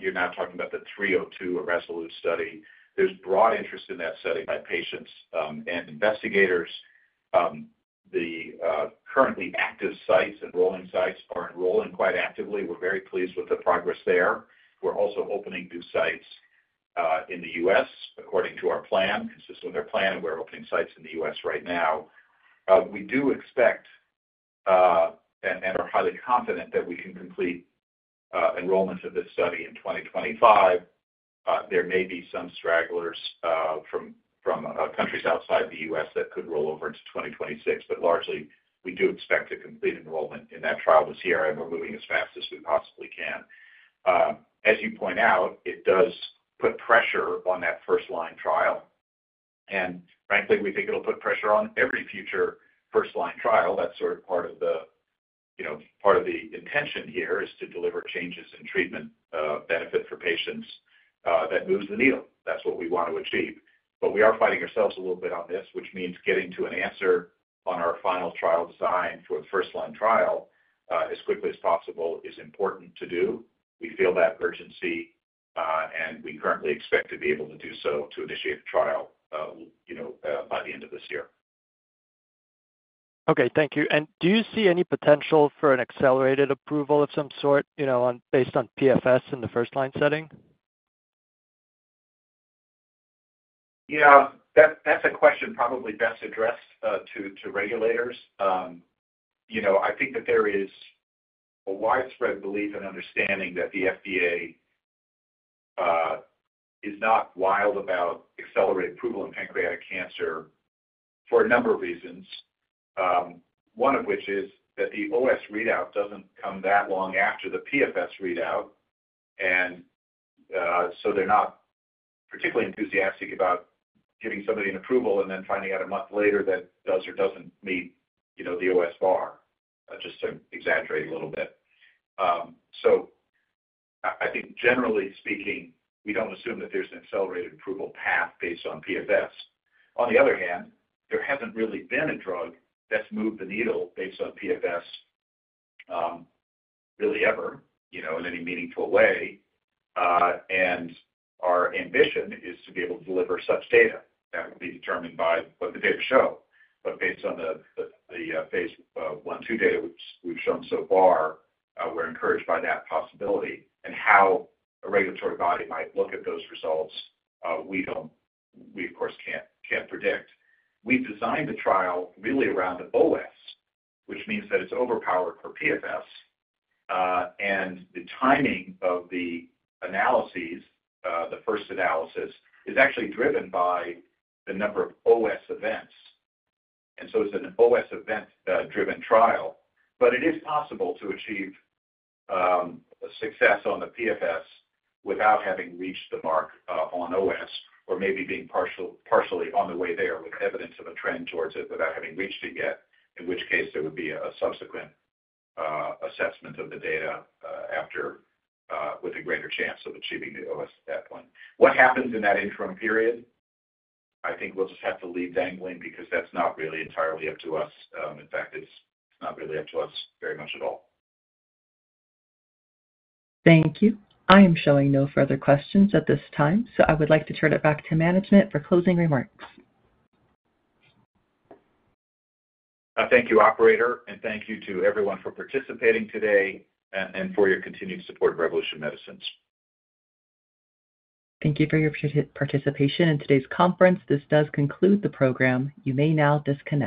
You're now talking about the RASolute-302 study. There's broad interest in that study by patients and investigators. The currently active sites and rolling sites are enrolling quite actively. We're very pleased with the progress there. We're also opening new sites in the U.S., according to our plan, consistent with our plan, and we're opening sites in the U.S. right now. We do expect and are highly confident that we can complete enrollment of this study in 2025. There may be some stragglers from countries outside the U.S. that could roll over into 2026. But largely, we do expect to complete enrollment in that trial this year, and we're moving as fast as we possibly can. As you point out, it does put pressure on that first-line trial. And frankly, we think it'll put pressure on every future first-line trial. That's sort of part of the intention here is to deliver changes in treatment benefit for patients. That moves the needle. That's what we want to achieve. But we are fighting ourselves a little bit on this, which means getting to an answer on our final trial design for the first-line trial as quickly as possible is important to do. We feel that urgency, and we currently expect to be able to do so to initiate a trial by the end of this year. Okay. Thank you. Do you see any potential for an accelerated approval of some sort based on PFS in the first line setting? Yeah. That's a question probably best addressed to regulators. I think that there is a widespread belief and understanding that the FDA is not wild about accelerated approval in pancreatic cancer for a number of reasons, one of which is that the OS readout doesn't come that long after the PFS readout. And so they're not particularly enthusiastic about giving somebody an approval and then finding out a month later that does or doesn't meet the OS bar, just to exaggerate a little bit. So I think, generally speaking, we don't assume that there's an accelerated approval path based on PFS. On the other hand, there hasn't really been a drug that's moved the needle based on PFS really ever in any meaningful way. Our ambition is to be able to deliver such data that will be determined by what the data show. Based on the phase 1/2 data we've shown so far, we're encouraged by that possibility. How a regulatory body might look at those results, we, of course, can't predict. We've designed the trial really around OS, which means that it's overpowered for PFS. The timing of the analyses, the first analysis, is actually driven by the number of OS events. It's an OS event-driven trial. But it is possible to achieve success on the PFS without having reached the mark on OS or maybe being partially on the way there with evidence of a trend towards it without having reached it yet, in which case there would be a subsequent assessment of the data with a greater chance of achieving the OS at that point. What happens in that interim period, I think we'll just have to leave dangling because that's not really entirely up to us. In fact, it's not really up to us very much at all. Thank you. I am showing no further questions at this time. So I would like to turn it back to management for closing remarks. Thank you, operator. And thank you to everyone for participating today and for your continued support of Revolution Medicines. Thank you for your participation in today's conference. This does conclude the program. You may now disconnect.